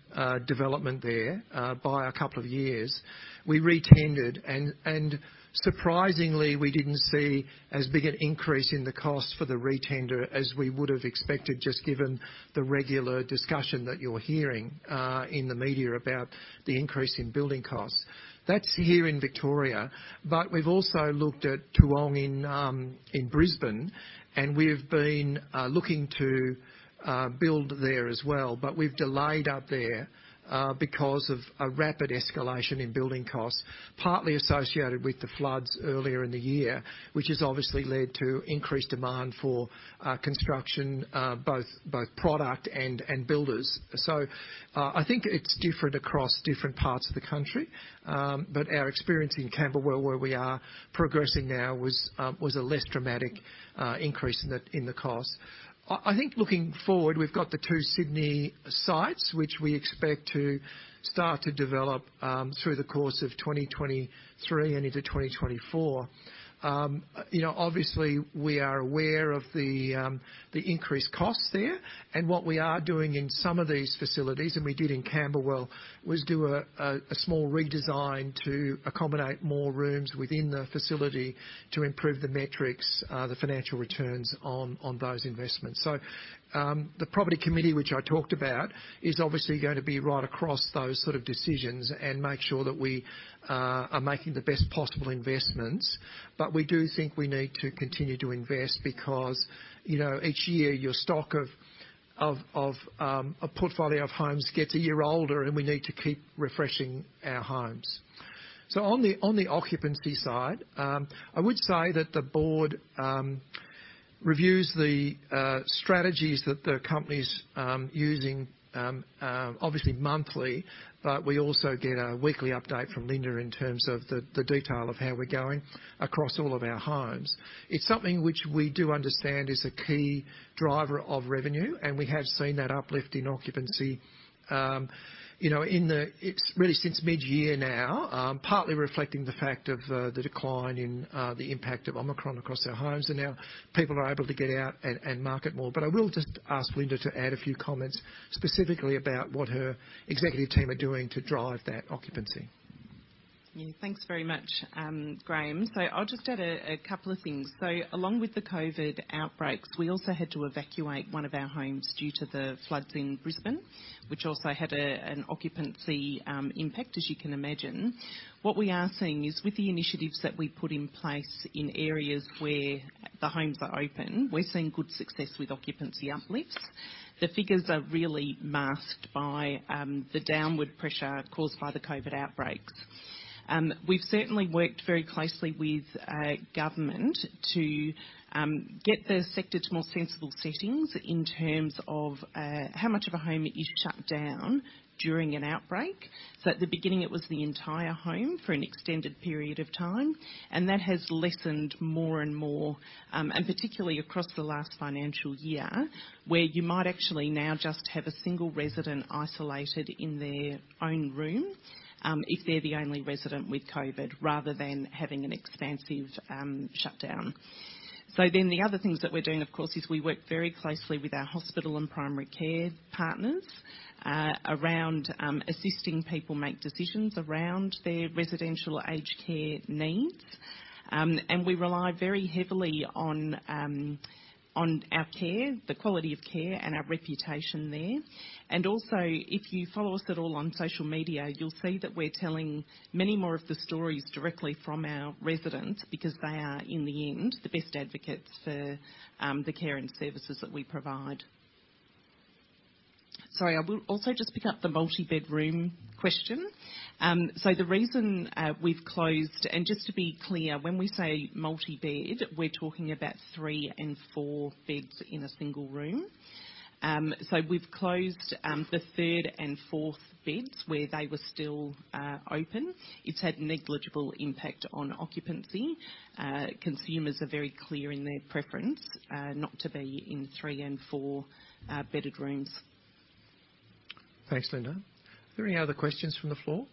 development there by a couple of years. We re-tendered, and surprisingly, we didn't see as big an increase in the cost for the re-tender as we would have expected, just given the regular discussion that you're hearing in the media about the increase in building costs. That's here in Victoria, but we've also looked at Toowong in Brisbane, and we've been looking to build there as well. We've delayed up there because of a rapid escalation in building costs, partly associated with the floods earlier in the year, which has obviously led to increased demand for construction both products and builders. I think it's different across different parts of the country. Our experience in Camberwell, where we are progressing now, was a less dramatic increase in the cost. I think looking forward, we've got the two Sydney sites which we expect to start to develop through the course of 2023 and into 2024. You know, obviously, we are aware of the increased costs there. What we are doing in some of these facilities, and we did in Camberwell, was do a small redesign to accommodate more rooms within the facility to improve the metrics, the financial returns on those investments. The property committee, which I talked about, is obviously gonna be right across those sort of decisions and make sure that we are making the best possible investments. We do think we need to continue to invest because, you know, each year, your stock of a portfolio of homes gets a year older, and we need to keep refreshing our homes. On the occupancy side, I would say that the board reviews the strategies that the company's using, obviously monthly, but we also get a weekly update from Linda in terms of the detail of how we're going across all of our homes. It's something which we do understand is a key driver of revenue, and we have seen that uplift in occupancy, you know. It's really since mid-year now, partly reflecting the fact of the decline in the impact of Omicron across our homes, and now people are able to get out and market more. I will just ask Linda to add a few comments specifically about what her executive team are doing to drive that occupancy. Yeah. Thanks very much, Graham. I'll just add a couple of things. Along with the COVID outbreaks, we also had to evacuate one of our homes due to the floods in Brisbane, which also had an occupancy impact, as you can imagine. What we are seeing is with the initiatives that we put in place in areas where the homes are open, we're seeing good success with occupancy uplifts. The figures are really masked by the downward pressure caused by the COVID outbreaks. We've certainly worked very closely with government to get the sector to more sensible settings in terms of how much of a home you shut down during an outbreak. At the beginning, it was the entire home for an extended period of time, and that has lessened more and more. Particularly across the last financial year, where you might actually now just have a single resident isolated in their own room, if they're the only resident with COVID, rather than having an expansive shutdown. The other things that we're doing, of course, is we work very closely with our hospital and primary care partners around assisting people make decisions around their residential aged care needs. We rely very heavily on our care, the quality of care, and our reputation there. Also, if you follow us at all on social media, you'll see that we're telling many more of the stories directly from our residents because they are, in the end, the best advocates for the care and services that we provide. Sorry, I will also just pick up the multi-bedroom question. The reason we've closed. Just to be clear, when we say multi-bed, we're talking about three and four beds in a single room. We've closed the third and fourth beds where they were still open. It's had negligible impact on occupancy. Consumers are very clear in their preference not to be in three and four bedded rooms. Thanks, Linda. Are there any other questions from the floor?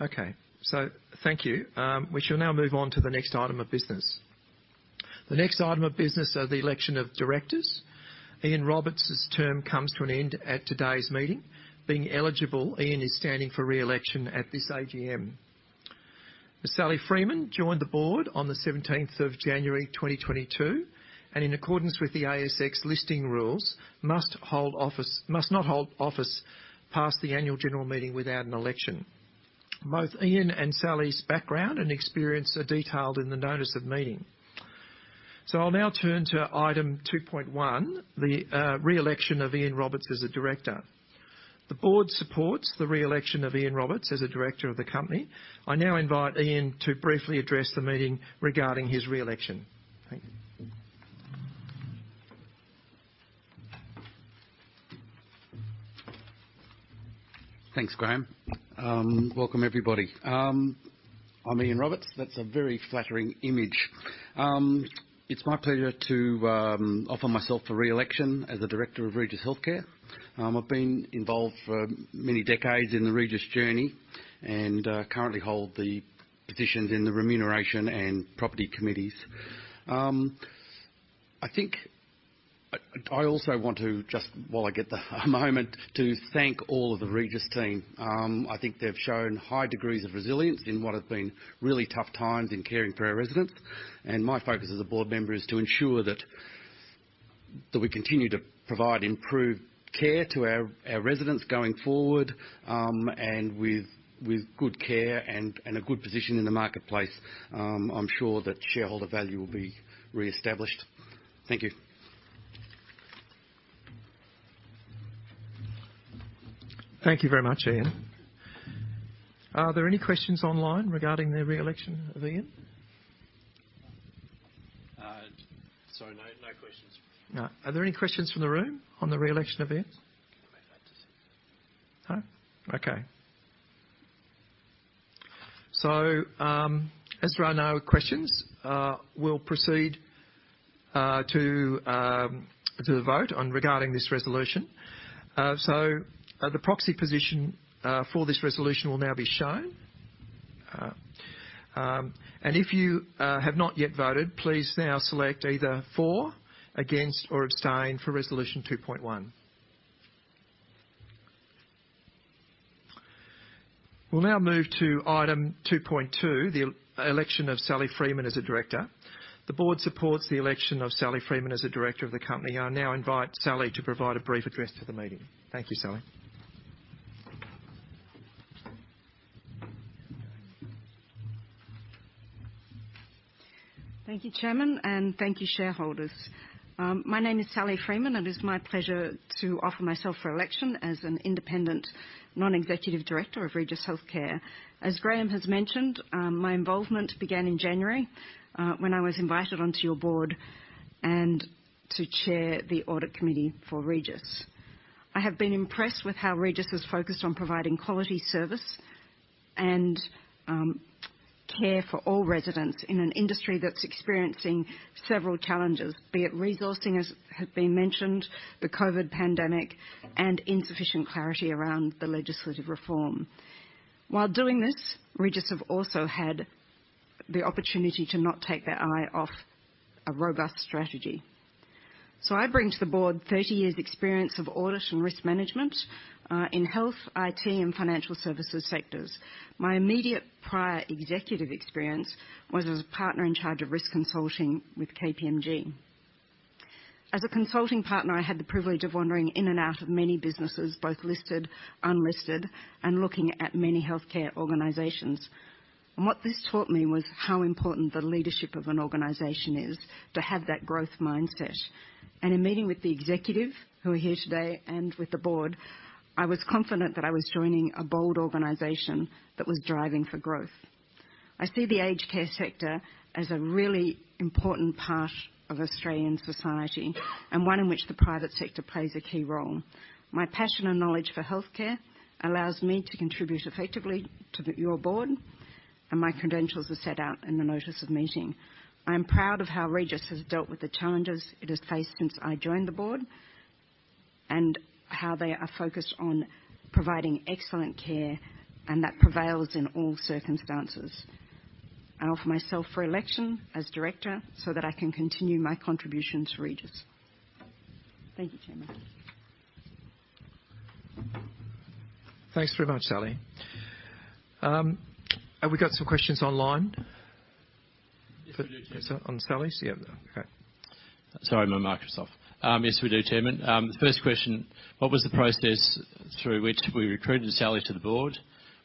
Okay. Thank you. We shall now move on to the next item of business. The next item of business are the election of directors. Ian Roberts' term comes to an end at today's meeting. Being eligible, Ian is standing for re-election at this AGM. Sally Freeman joined the board on the 17th of January, 2022, and in accordance with the ASX listing rules, must not hold office past the annual general meeting without an election. Both Ian and Sally's background and experience are detailed in the notice of meeting. I'll now turn to Item 2.1, the re-election of Ian Roberts as a director. The board supports the re-election of Ian Roberts as a director of the company. I now invite Ian to briefly address the meeting regarding his re-election. Thank you. Thanks, Graham. Welcome, everybody. I'm Ian Roberts. That's a very flattering image. It's my pleasure to offer myself for re-election as a director of Regis Healthcare. I've been involved for many decades in the Regis journey and currently hold the positions in the remuneration and property committees. I think I also want to just, while I get the moment, to thank all of the Regis team. I think they've shown high degrees of resilience in what have been really tough times in caring for our residents. My focus as a board member is to ensure that we continue to provide improved care to our residents going forward. With good care and a good position in the marketplace, I'm sure that shareholder value will be reestablished. Thank you. Thank you very much, Ian. Are there any questions online regarding the re-election of Ian? Sorry, no questions. No. Are there any questions from the room on the re-election of Ian? No? Okay. As there are no questions, we'll proceed to the vote regarding this resolution. The proxy position for this resolution will now be shown. If you have not yet voted, please now select either for, against, or abstain for resolution 2.1. We'll now move to Item 2.2, the election of Sally Freeman as a director. The board supports the election of Sally Freeman as a director of the company. I now invite Sally to provide a brief address to the meeting. Thank you, Sally. Thank you, Chairman, and thank you, shareholders. My name is Sally Freeman, and it's my pleasure to offer myself for election as an independent non-executive director of Regis Healthcare. As Graham has mentioned, my involvement began in January, when I was invited onto your board and to chair the audit committee for Regis. I have been impressed with how Regis is focused on providing quality service and, care for all residents in an industry that's experiencing several challenges, be it resourcing, as has been mentioned, the COVID pandemic, and insufficient clarity around the legislative reform. While doing this, Regis have also had the opportunity to not take their eye off a robust strategy. I bring to the board 30 years' experience of audit and risk management, in health, IT, and financial services sectors. My immediate prior executive experience was as a partner in charge of risk consulting with KPMG. As a consulting partner, I had the privilege of wandering in and out of many businesses, both listed, unlisted, and looking at many healthcare organizations. What this taught me was how important the leadership of an organization is to have that growth mindset. In meeting with the executive who are here today and with the board, I was confident that I was joining a bold organization that was driving for growth. I see the aged care sector as a really important part of Australian society, and one in which the private sector plays a key role. My passion and knowledge for healthcare allows me to contribute effectively to your board, and my credentials are set out in the notice of meeting. I am proud of how Regis has dealt with the challenges it has faced since I joined the board, and how they are focused on providing excellent care, and that prevails in all circumstances. I offer myself for election as director so that I can continue my contribution to Regis. Thank you, Chairman. Thanks very much, Sally. Have we got some questions online? Yes, we do, Chairman. On Sally's? Yeah. Okay. Sorry, my mic was off. Yes, we do, Chairman. The first question: What was the process through which we recruited Sally to the board?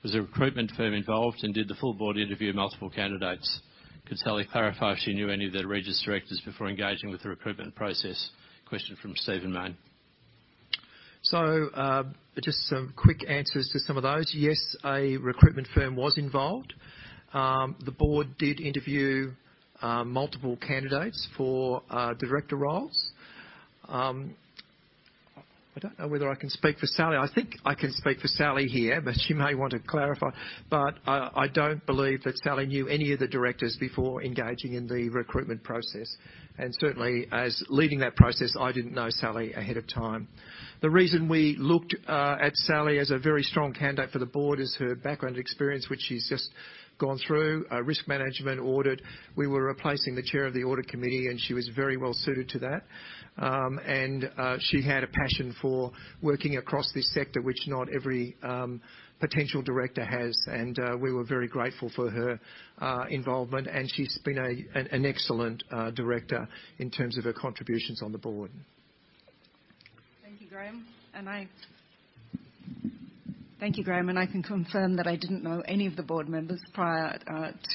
Was a recruitment firm involved, and did the full board interview multiple candidates? Could Sally clarify if she knew any of the Regis directors before engaging with the recruitment process? Question from Stephen Mayne. Just some quick answers to some of those. Yes, a recruitment firm was involved. The board did interview multiple candidates for director roles. I don't know whether I can speak for Sally. I think I can speak for Sally here, but she may want to clarify. I don't believe that Sally knew any of the directors before engaging in the recruitment process. Certainly as leading that process, I didn't know Sally ahead of time. The reason we looked at Sally as a very strong candidate for the board is her background experience, which she's just gone through, risk management, audit. We were replacing the chair of the audit committee, and she was very well suited to that. She had a passion for working across this sector, which not every potential director has. We were very grateful for her involvement. She's been an excellent director in terms of her contributions on the board. Thank you, Graham. I can confirm that I didn't know any of the board members prior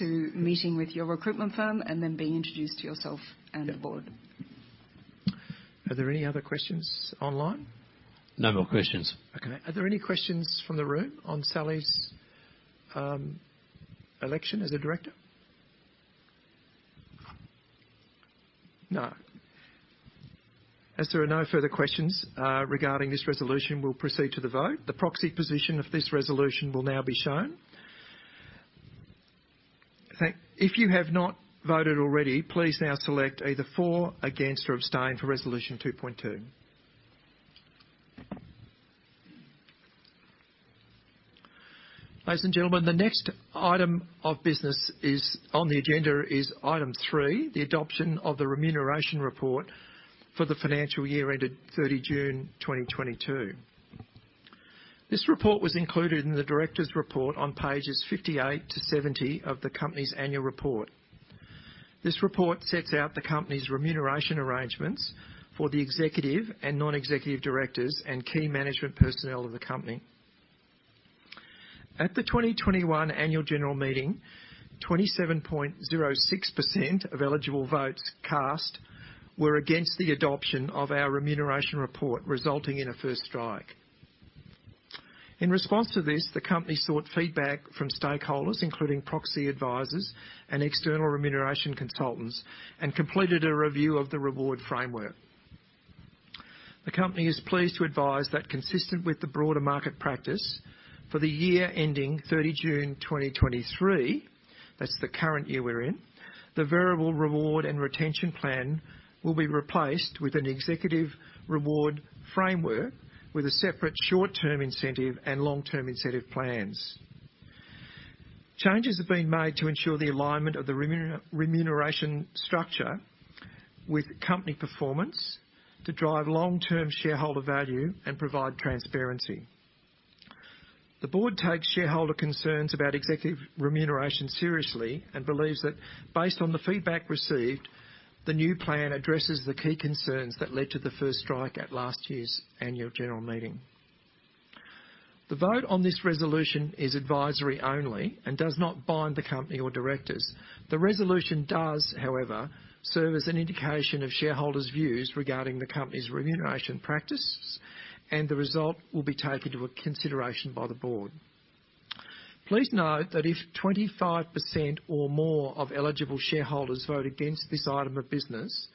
to meeting with your recruitment firm and then being introduced to yourself and the board. Are there any other questions online? No more questions. Okay. Are there any questions from the room on Sally's election as a director? No. As there are no further questions regarding this resolution, we'll proceed to the vote. The proxy position of this resolution will now be shown. If you have not voted already, please now select either for, against, or abstain for Resolution 2.2. Ladies and gentlemen, the next item of business is, on the agenda is item three, the adoption of the remuneration report for the financial year ended 30 June 2022. This report was included in the Director's Report on pages 58-70 of the company's Annual Report. This report sets out the company's remuneration arrangements for the executive and non-executive directors and key management personnel of the company. At the 2021 annual general meeting, 27.06% of eligible votes cast were against the adoption of our remuneration report, resulting in a first strike. In response to this, the company sought feedback from stakeholders, including proxy advisors and external remuneration consultants, and completed a review of the reward framework. The company is pleased to advise that consistent with the broader market practice for the year ending 30 June 2023, that's the current year we're in, the Variable Reward and Retention Plan will be replaced with an Executive Reward Framework with a separate short-term incentive and long-term incentive plans. Changes are being made to ensure the alignment of the remuneration structure with company performance to drive long-term shareholder value and provide transparency. The board takes shareholder concerns about executive remuneration seriously and believes that based on the feedback received, the new plan addresses the key concerns that led to the first strike at last year's annual general meeting. The vote on this resolution is advisory only and does not bind the company or directors. The resolution does, however, serve as an indication of shareholders' views regarding the company's remuneration practices, and the result will be taken to a consideration by the board. Please note that if 25% or more of eligible shareholders vote against this item of business,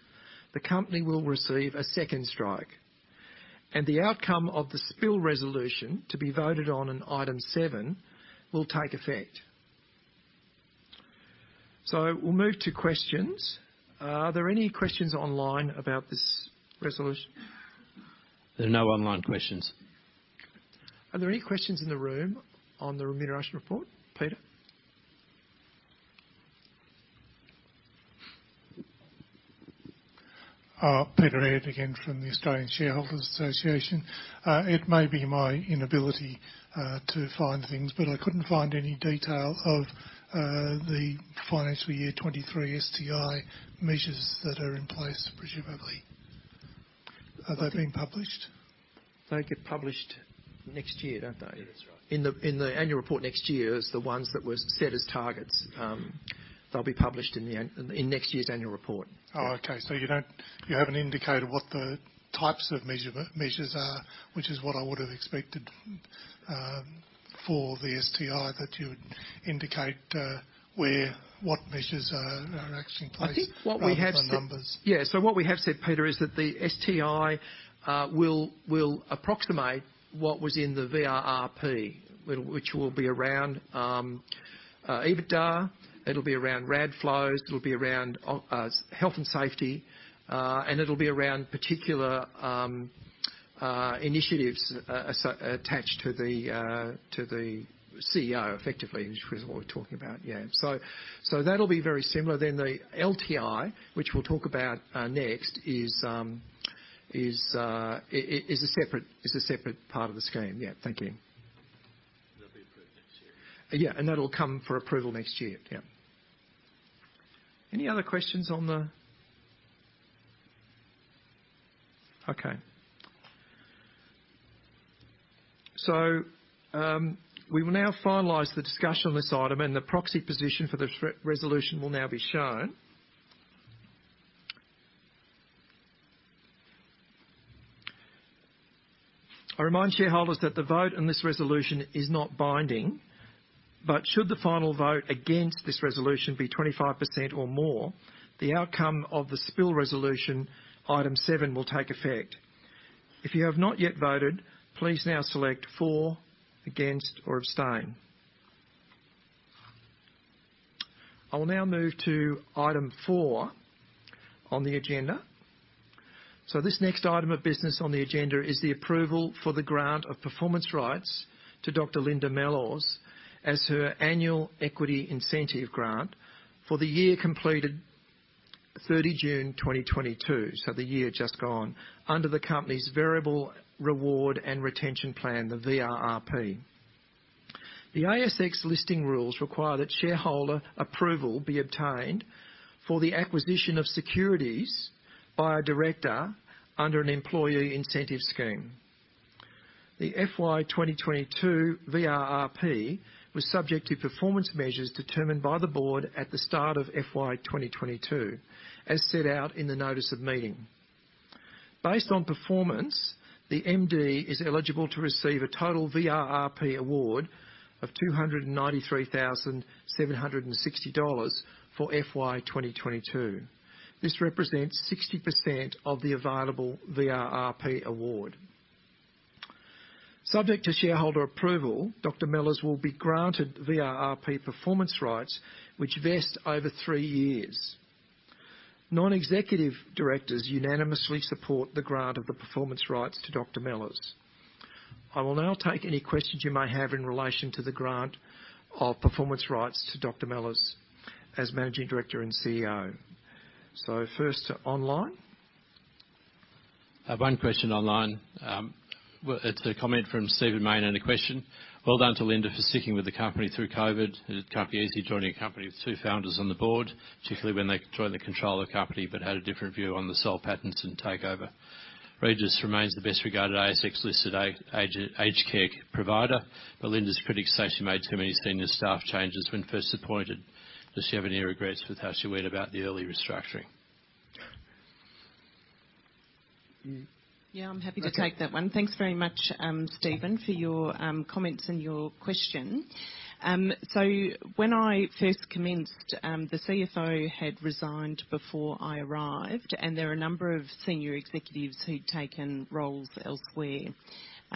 the company will receive a second strike, and the outcome of the spill resolution to be voted on in Item 7 will take effect. We'll move to questions. Are there any questions online about this resolution? There are no online questions. Are there any questions in the room on the remuneration report? Peter. Peter Aird again from the Australian Shareholders' Association. It may be my inability to find things, but I couldn't find any detail of the financial year 2023 STI measures that are in place, presumably. Are they being published? They get published next year, don't they? That's right. In the annual report next year is the ones that were set as targets. They'll be published in next year's annual report. You haven't indicated what the types of measures are, which is what I would have expected for the STI, that you would indicate what measures are actually in place. I think what we have said. Other than numbers. Yeah. What we have said, Peter, is that the STI will approximate what was in the VRRP, which will be around EBITDA, it'll be around RAD flows, it'll be around health and safety, and it'll be around particular initiatives attached to the CEO, effectively, which is what we're talking about. Yeah. That'll be very similar. The LTI, which we'll talk about next, is a separate part of the scheme. Yeah. Thank you. That'll be approved next year. Yeah. That'll come for approval next year. Yeah. Any other questions? Okay. We will now finalize the discussion on this item, and the proxy position for the resolution will now be shown. I remind shareholders that the vote on this resolution is not binding, but should the final vote against this resolution be 25% or more, the outcome of the spill resolution Item 7 will take effect. If you have not yet voted, please now select for, against, or abstain. I will now move to Item 4 on the agenda. This next item of business on the agenda is the approval for the grant of performance rights to Dr. Linda Mellors as her annual equity incentive grant for the year completed 30 June 2022, so the year just gone, under the company's Variable Reward and Retention Plan, the VRRP. The ASX listing rules require that shareholder approval be obtained for the acquisition of securities by a director under an employee incentive scheme. The FY 2022 VRRP was subject to performance measures determined by the board at the start of FY 2022, as set out in the notice of meeting. Based on performance, the MD is eligible to receive a total VRRP award of 293,760 dollars for FY 2022. This represents 60% of the available VRRP award. Subject to shareholder approval, Dr. Mellors will be granted VRRP performance rights, which vest over 3 years. Non-executive directors unanimously support the grant of the performance rights to Dr. Mellors. I will now take any questions you may have in relation to the grant of performance rights to Dr. Mellors as Managing Director and CEO. First to online. I have one question online. Well, it's a comment from Stephen Mayne and a question. Well done to Linda for sticking with the company through COVID. It can't be easy joining a company with two founders on the board, particularly when they own the control of the company, but had a different view on the Soul Pattinson and takeover. Regis remains the best-regarded ASX-listed aged care provider, but Linda's critics say she made too many senior staff changes when first appointed. Does she have any regrets with how she went about the early restructuring? Mm. Yeah, I'm happy to take that one. Okay. Thanks very much, Stephen, for your comments and your question. When I first commenced, the CFO had resigned before I arrived, and there were a number of senior executives who'd taken roles elsewhere.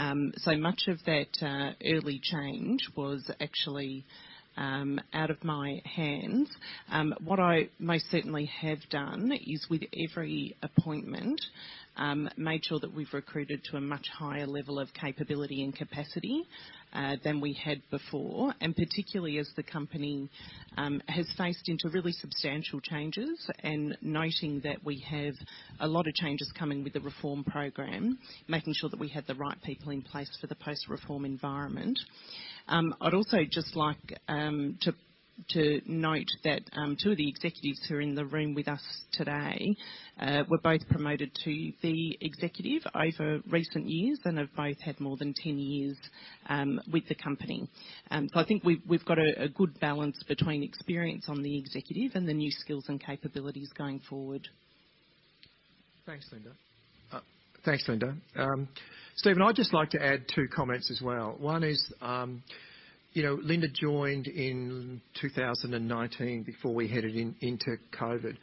Much of that early change was actually out of my hands. What I most certainly have done is, with every appointment, made sure that we've recruited to a much higher level of capability and capacity, than we had before, and particularly as the company has faced into really substantial changes, and noting that we have a lot of changes coming with the reform program, making sure that we have the right people in place for the post-reform environment. I'd also just like to note that two of the executives who are in the room with us today were both promoted to the executive over recent years and have both had more than 10 years with the company. I think we've got a good balance between experience on the executive and the new skills and capabilities going forward. Thanks, Linda. Stephen, I'd just like to add two comments as well. One is, you know, Linda joined in 2019 before we headed into COVID.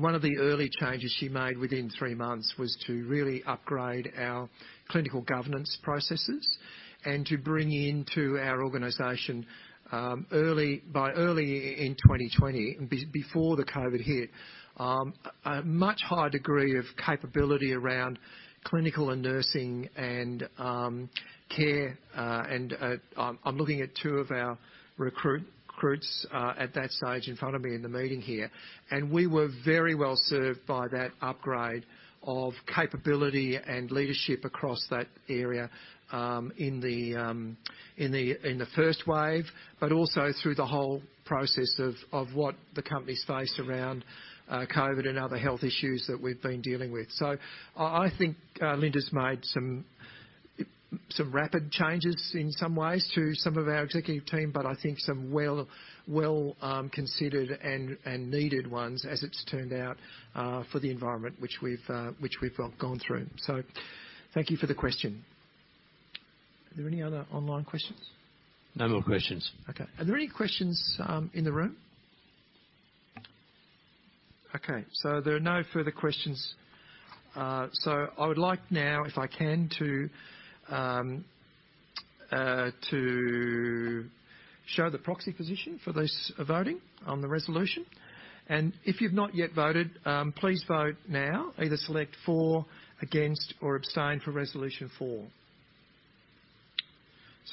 One of the early changes she made within three months was to really upgrade our clinical governance processes and to bring into our organization early, by early in 2020, before the COVID hit, a much higher degree of capability around clinical and nursing and care and I'm looking at two of our recruits at that stage in front of me in the meeting here. We were very well served by that upgrade of capability and leadership across that area in the first wave, but also through the whole process of what the company's faced around COVID and other health issues that we've been dealing with. I think Linda's made some rapid changes in some ways to some of our executive team, but I think some well considered and needed ones as it's turned out for the environment which we've gone through. Thank you for the question. Are there any other online questions? No more questions. Okay. Are there any questions in the room? Okay, so there are no further questions. I would like now, if I can, to show the proxy position for those voting on the resolution. If you've not yet voted, please vote now. Either select for, against, or abstain for Resolution 4.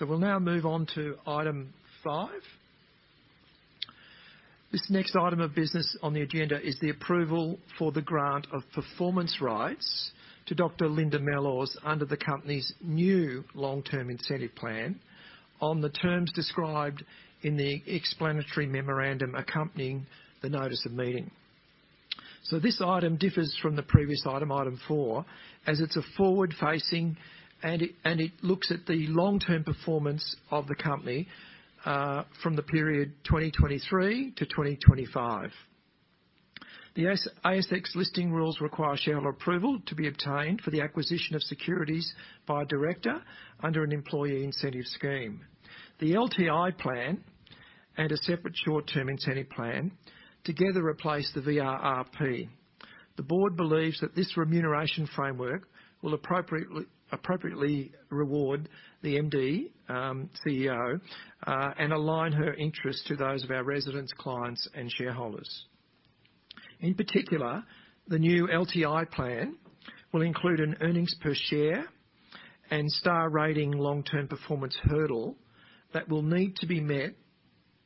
We'll now move on to Item 5. This next item of business on the agenda is the approval for the grant of performance rights to Dr. Linda Mellors under the company's new long-term incentive plan on the terms described in the explanatory memorandum accompanying the notice of meeting. This item differs from the previous Item 4, as it's a forward-facing, and it looks at the long-term performance of the company from the period 2023 to 2025. The ASX listing rules require shareholder approval to be obtained for the acquisition of securities by a director under an employee incentive scheme. The LTI plan and a separate short-term incentive plan together replace the VRRP. The board believes that this remuneration framework will appropriately reward the MD, CEO, and align her interests to those of our residents, clients, and shareholders. In particular, the new LTI plan will include an earnings per share and star rating long-term performance hurdle that will need to be met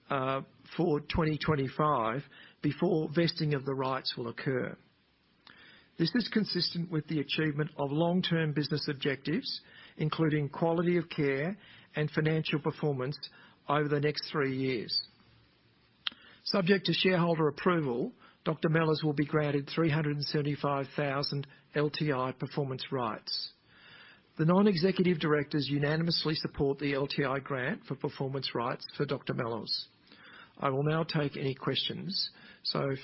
for 2025 before vesting of the rights will occur. This is consistent with the achievement of long-term business objectives, including quality of care and financial performance over the next three years. Subject to shareholder approval, Dr. Mellors will be granted 375,000 LTI performance rights. The non-executive directors unanimously support the LTI grant for performance rights for Dr. Mellors. I will now take any questions.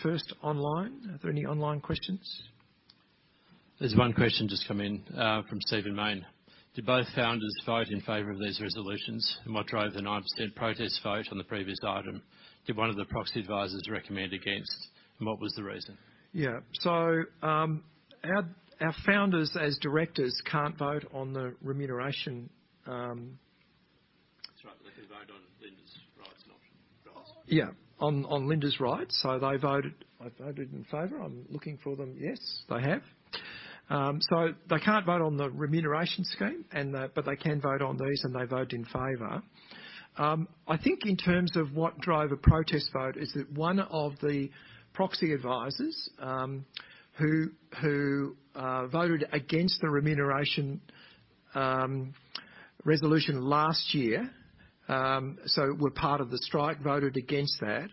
First, online. Are there any online questions? There's one question just come in from Stephen Mayne. Did both founders vote in favor of these resolutions? What drove the 9% protest vote on the previous item? Did one of the proxy advisors recommend against? What was the reason? Yeah. Our founders, as directors, can't vote on the remuneration. That's right. They can vote on Linda's rights, not ours. On Linda's rights. They voted in favor. I'm looking for them. Yes, they have. They can't vote on the remuneration scheme. They can vote on these, and they vote in favor. I think in terms of what drove a protest vote is that one of the proxy advisors, who voted against the remuneration resolution last year, so were part of the strike, voted against that,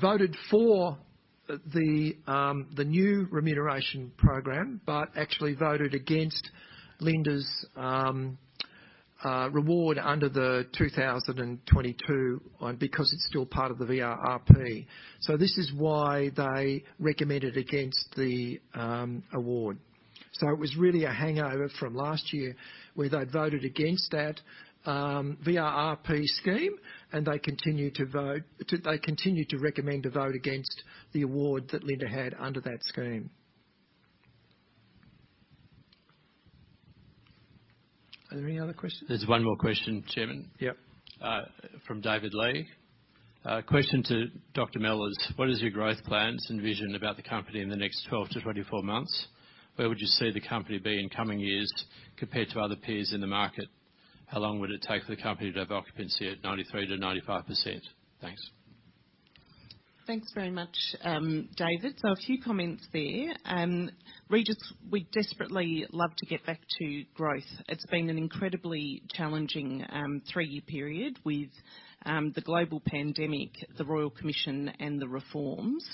voted for the new remuneration program, but actually voted against Linda's reward under the 2022 one because it's still part of the VRRP. This is why they recommended against the award. It was really a hangover from last year, where they'd voted against that VRRP scheme, and they continued to recommend a vote against the award that Linda had under that scheme. Are there any other questions? There's one more question, Chairman. Yep. From David Lee. Question to Dr. Mellors. What is your growth plans and vision about the company in the next 12-24 months? Where would you see the company be in coming years compared to other peers in the market? How long would it take for the company to have occupancy at 93%-95%? Thanks. Thanks very much, David. A few comments there. Regis, we desperately love to get back to growth. It's been an incredibly challenging three-year period with the global pandemic, the Royal Commission, and the reforms.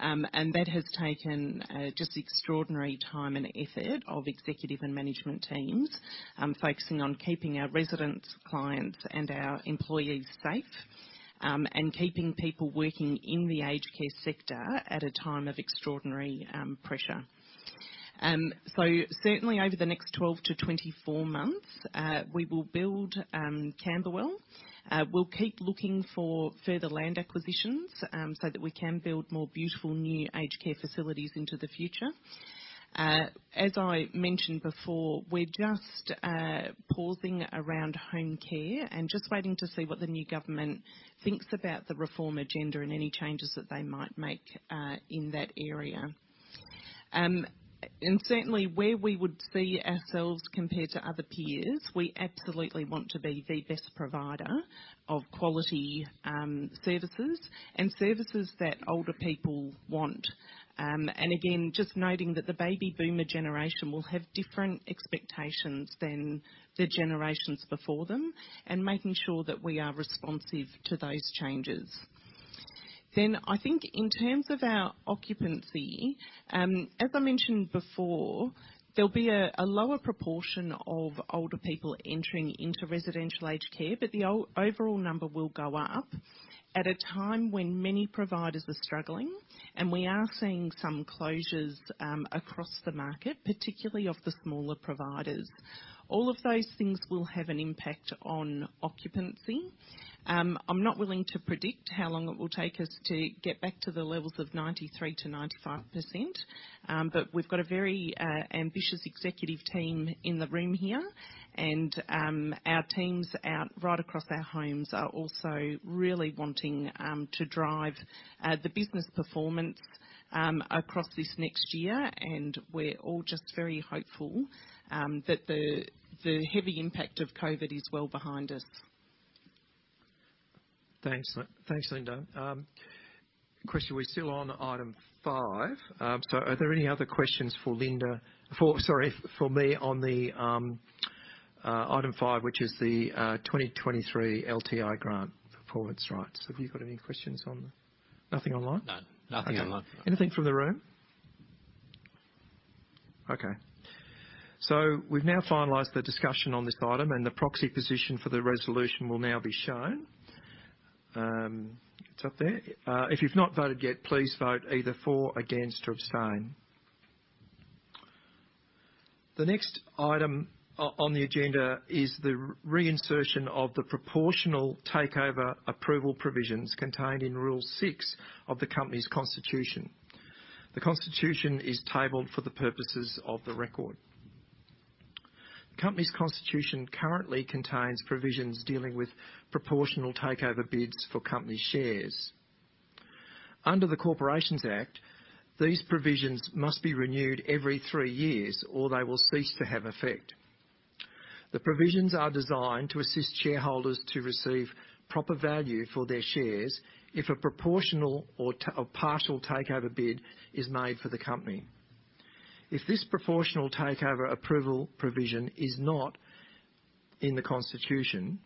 That has taken just extraordinary time and effort of executive and management teams focusing on keeping our residents, clients, and our employees safe and keeping people working in the aged care sector at a time of extraordinary pressure. Certainly over the next 12-24 months, we will build Camberwell. We'll keep looking for further land acquisitions so that we can build more beautiful new aged care facilities into the future. As I mentioned before, we're just pausing around home care and just waiting to see what the new government thinks about the reform agenda and any changes that they might make in that area. Certainly, where we would see ourselves compared to other peers, we absolutely want to be the best provider of quality services and services that older people want. Again, just noting that the baby boomer generation will have different expectations than the generations before them, and making sure that we are responsive to those changes. I think in terms of our occupancy, as I mentioned before, there'll be a lower proportion of older people entering into residential aged care, but the overall number will go up at a time when many providers are struggling, and we are seeing some closures across the market, particularly of the smaller providers. All of those things will have an impact on occupancy. I'm not willing to predict how long it will take us to get back to the levels of 93%-95%, but we've got a very ambitious executive team in the room here, and our teams out right across our homes are also really wanting to drive the business performance across this next year, and we're all just very hopeful that the heavy impact of COVID is well behind us. Thanks. Thanks, Linda. Question, we're still on Item 5. So are there any other questions for me on Item 5, which is the 2023 LTI grant performance rights. Have you got any questions? Nothing online? No, nothing online. Anything from the room? Okay. We've now finalized the discussion on this item, and the proxy position for the resolution will now be shown. If you've not voted yet, please vote either for, against or abstain. The next item on the agenda is the reinsertion of the proportional takeover approval provisions contained in rule six of the company's constitution. The constitution is tabled for the purposes of the record. Company's constitution currently contains provisions dealing with proportional takeover bids for company shares. Under the Corporations Act, these provisions must be renewed every three years, or they will cease to have effect. The provisions are designed to assist shareholders to receive proper value for their shares if a proportional or a partial takeover bid is made for the company. If this proportional takeover approval provision is not in the constitution,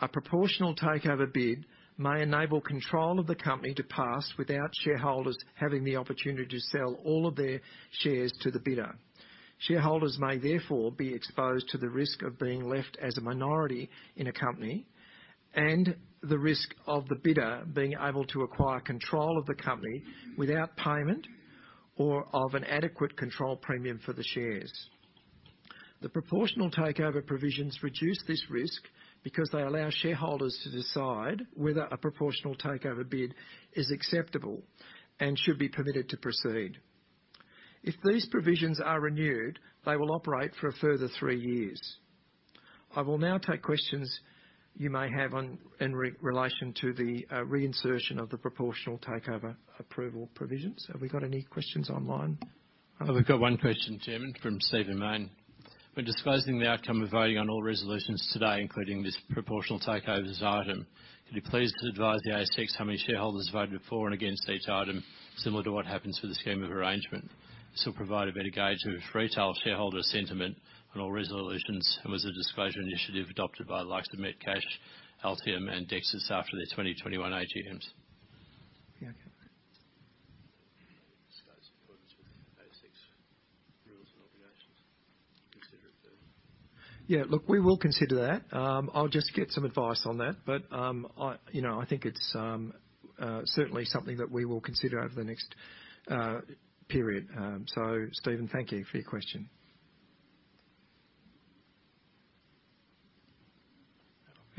a proportional takeover bid may enable control of the company to pass without shareholders having the opportunity to sell all of their shares to the bidder. Shareholders may therefore be exposed to the risk of being left as a minority in a company and the risk of the bidder being able to acquire control of the company without payment or of an adequate control premium for the shares. The proportional takeover provisions reduce this risk because they allow shareholders to decide whether a proportional takeover bid is acceptable and should be permitted to proceed. If these provisions are renewed, they will operate for a further three years. I will now take questions you may have in relation to the reinsertion of the proportional takeover approval provisions. Have we got any questions online? We've got one question, Chairman, from Stephen Mayne. When disclosing the outcome of voting on all resolutions today, including this proportional takeovers item, could you please advise the ASX how many shareholders voted for and against each item, similar to what happens with the scheme of arrangement? This will provide a better gauge of retail shareholder sentiment on all resolutions and was a disclosure initiative adopted by the likes of Metcash, Altium, and Dexus after their 2021 AGMs. Yeah, okay. Disclosure in accordance with the ASX rules and obligations, consider it done. Yeah, look, we will consider that. I'll just get some advice on that. I, you know, I think it's certainly something that we will consider over the next period. Stephen, thank you for your question.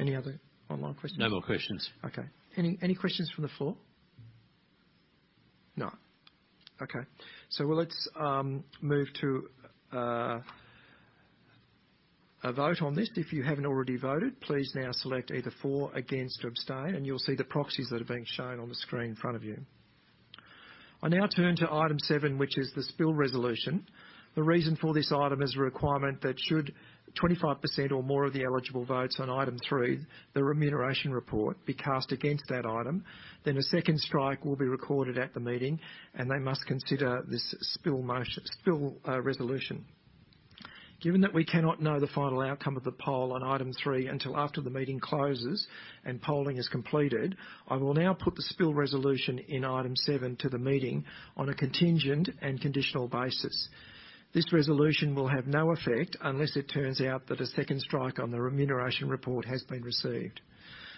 Any other online questions? No more questions. Okay. Any questions from the floor? No. Okay. Well, let's move to a vote on this. If you haven't already voted, please now select either for, against, or abstain, and you'll see the proxies that are being shown on the screen in front of you. I now turn to Item 7, which is the spill resolution. The reason for this item is a requirement that should 25% or more of the eligible votes on item three, the remuneration report, be cast against that item, then a second strike will be recorded at the meeting, and they must consider this spill resolution. Given that we cannot know the final outcome of the poll on item three until after the meeting closes and polling is completed, I will now put the spill resolution in Item 7 to the meeting on a contingent and conditional basis. This resolution will have no effect unless it turns out that a second strike on the remuneration report has been received.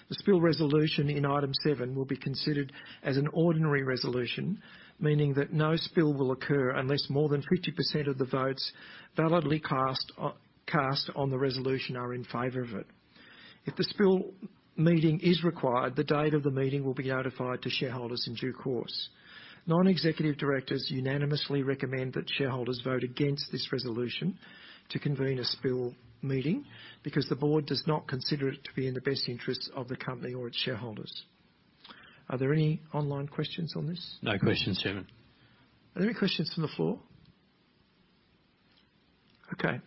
The spill resolution in Item 7 will be considered as an ordinary resolution, meaning that no spill will occur unless more than 50% of the votes validly cast on the resolution are in favor of it. If the spill meeting is required, the date of the meeting will be notified to shareholders in due course. Non-executive directors unanimously recommend that shareholders vote against this resolution to convene a spill meeting because the board does not consider it to be in the best interests of the company or its shareholders. Are there any online questions on this? No questions, Chairman. Are there any questions from the floor? Okay.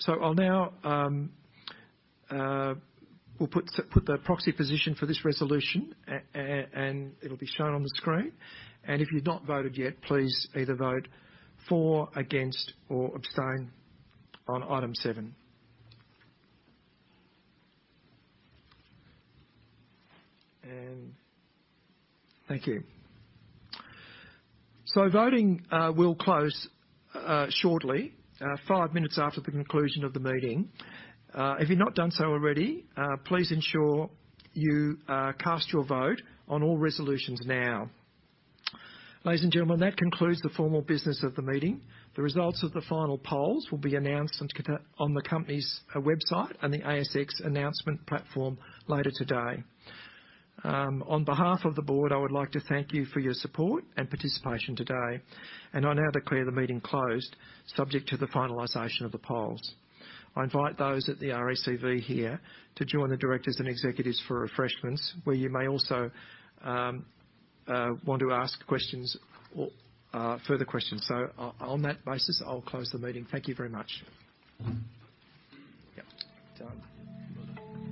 So I'll now we'll put the proxy position for this resolution and it'll be shown on the screen. If you've not voted yet, please either vote for, against, or abstain on Item 7. Thank you. Voting will close shortly, five minutes after the conclusion of the meeting. If you've not done so already, please ensure you cast your vote on all resolutions now. Ladies and gentlemen, that concludes the formal business of the meeting. The results of the final polls will be announced on the company's website and the ASX announcement platform later today. On behalf of the board, I would like to thank you for your support and participation today. I now declare the meeting closed subject to the finalization of the polls. I invite those at the RACV here to join the directors and executives for refreshments, where you may also want to ask questions or further questions. On that basis, I'll close the meeting. Thank you very much. Yep. Done.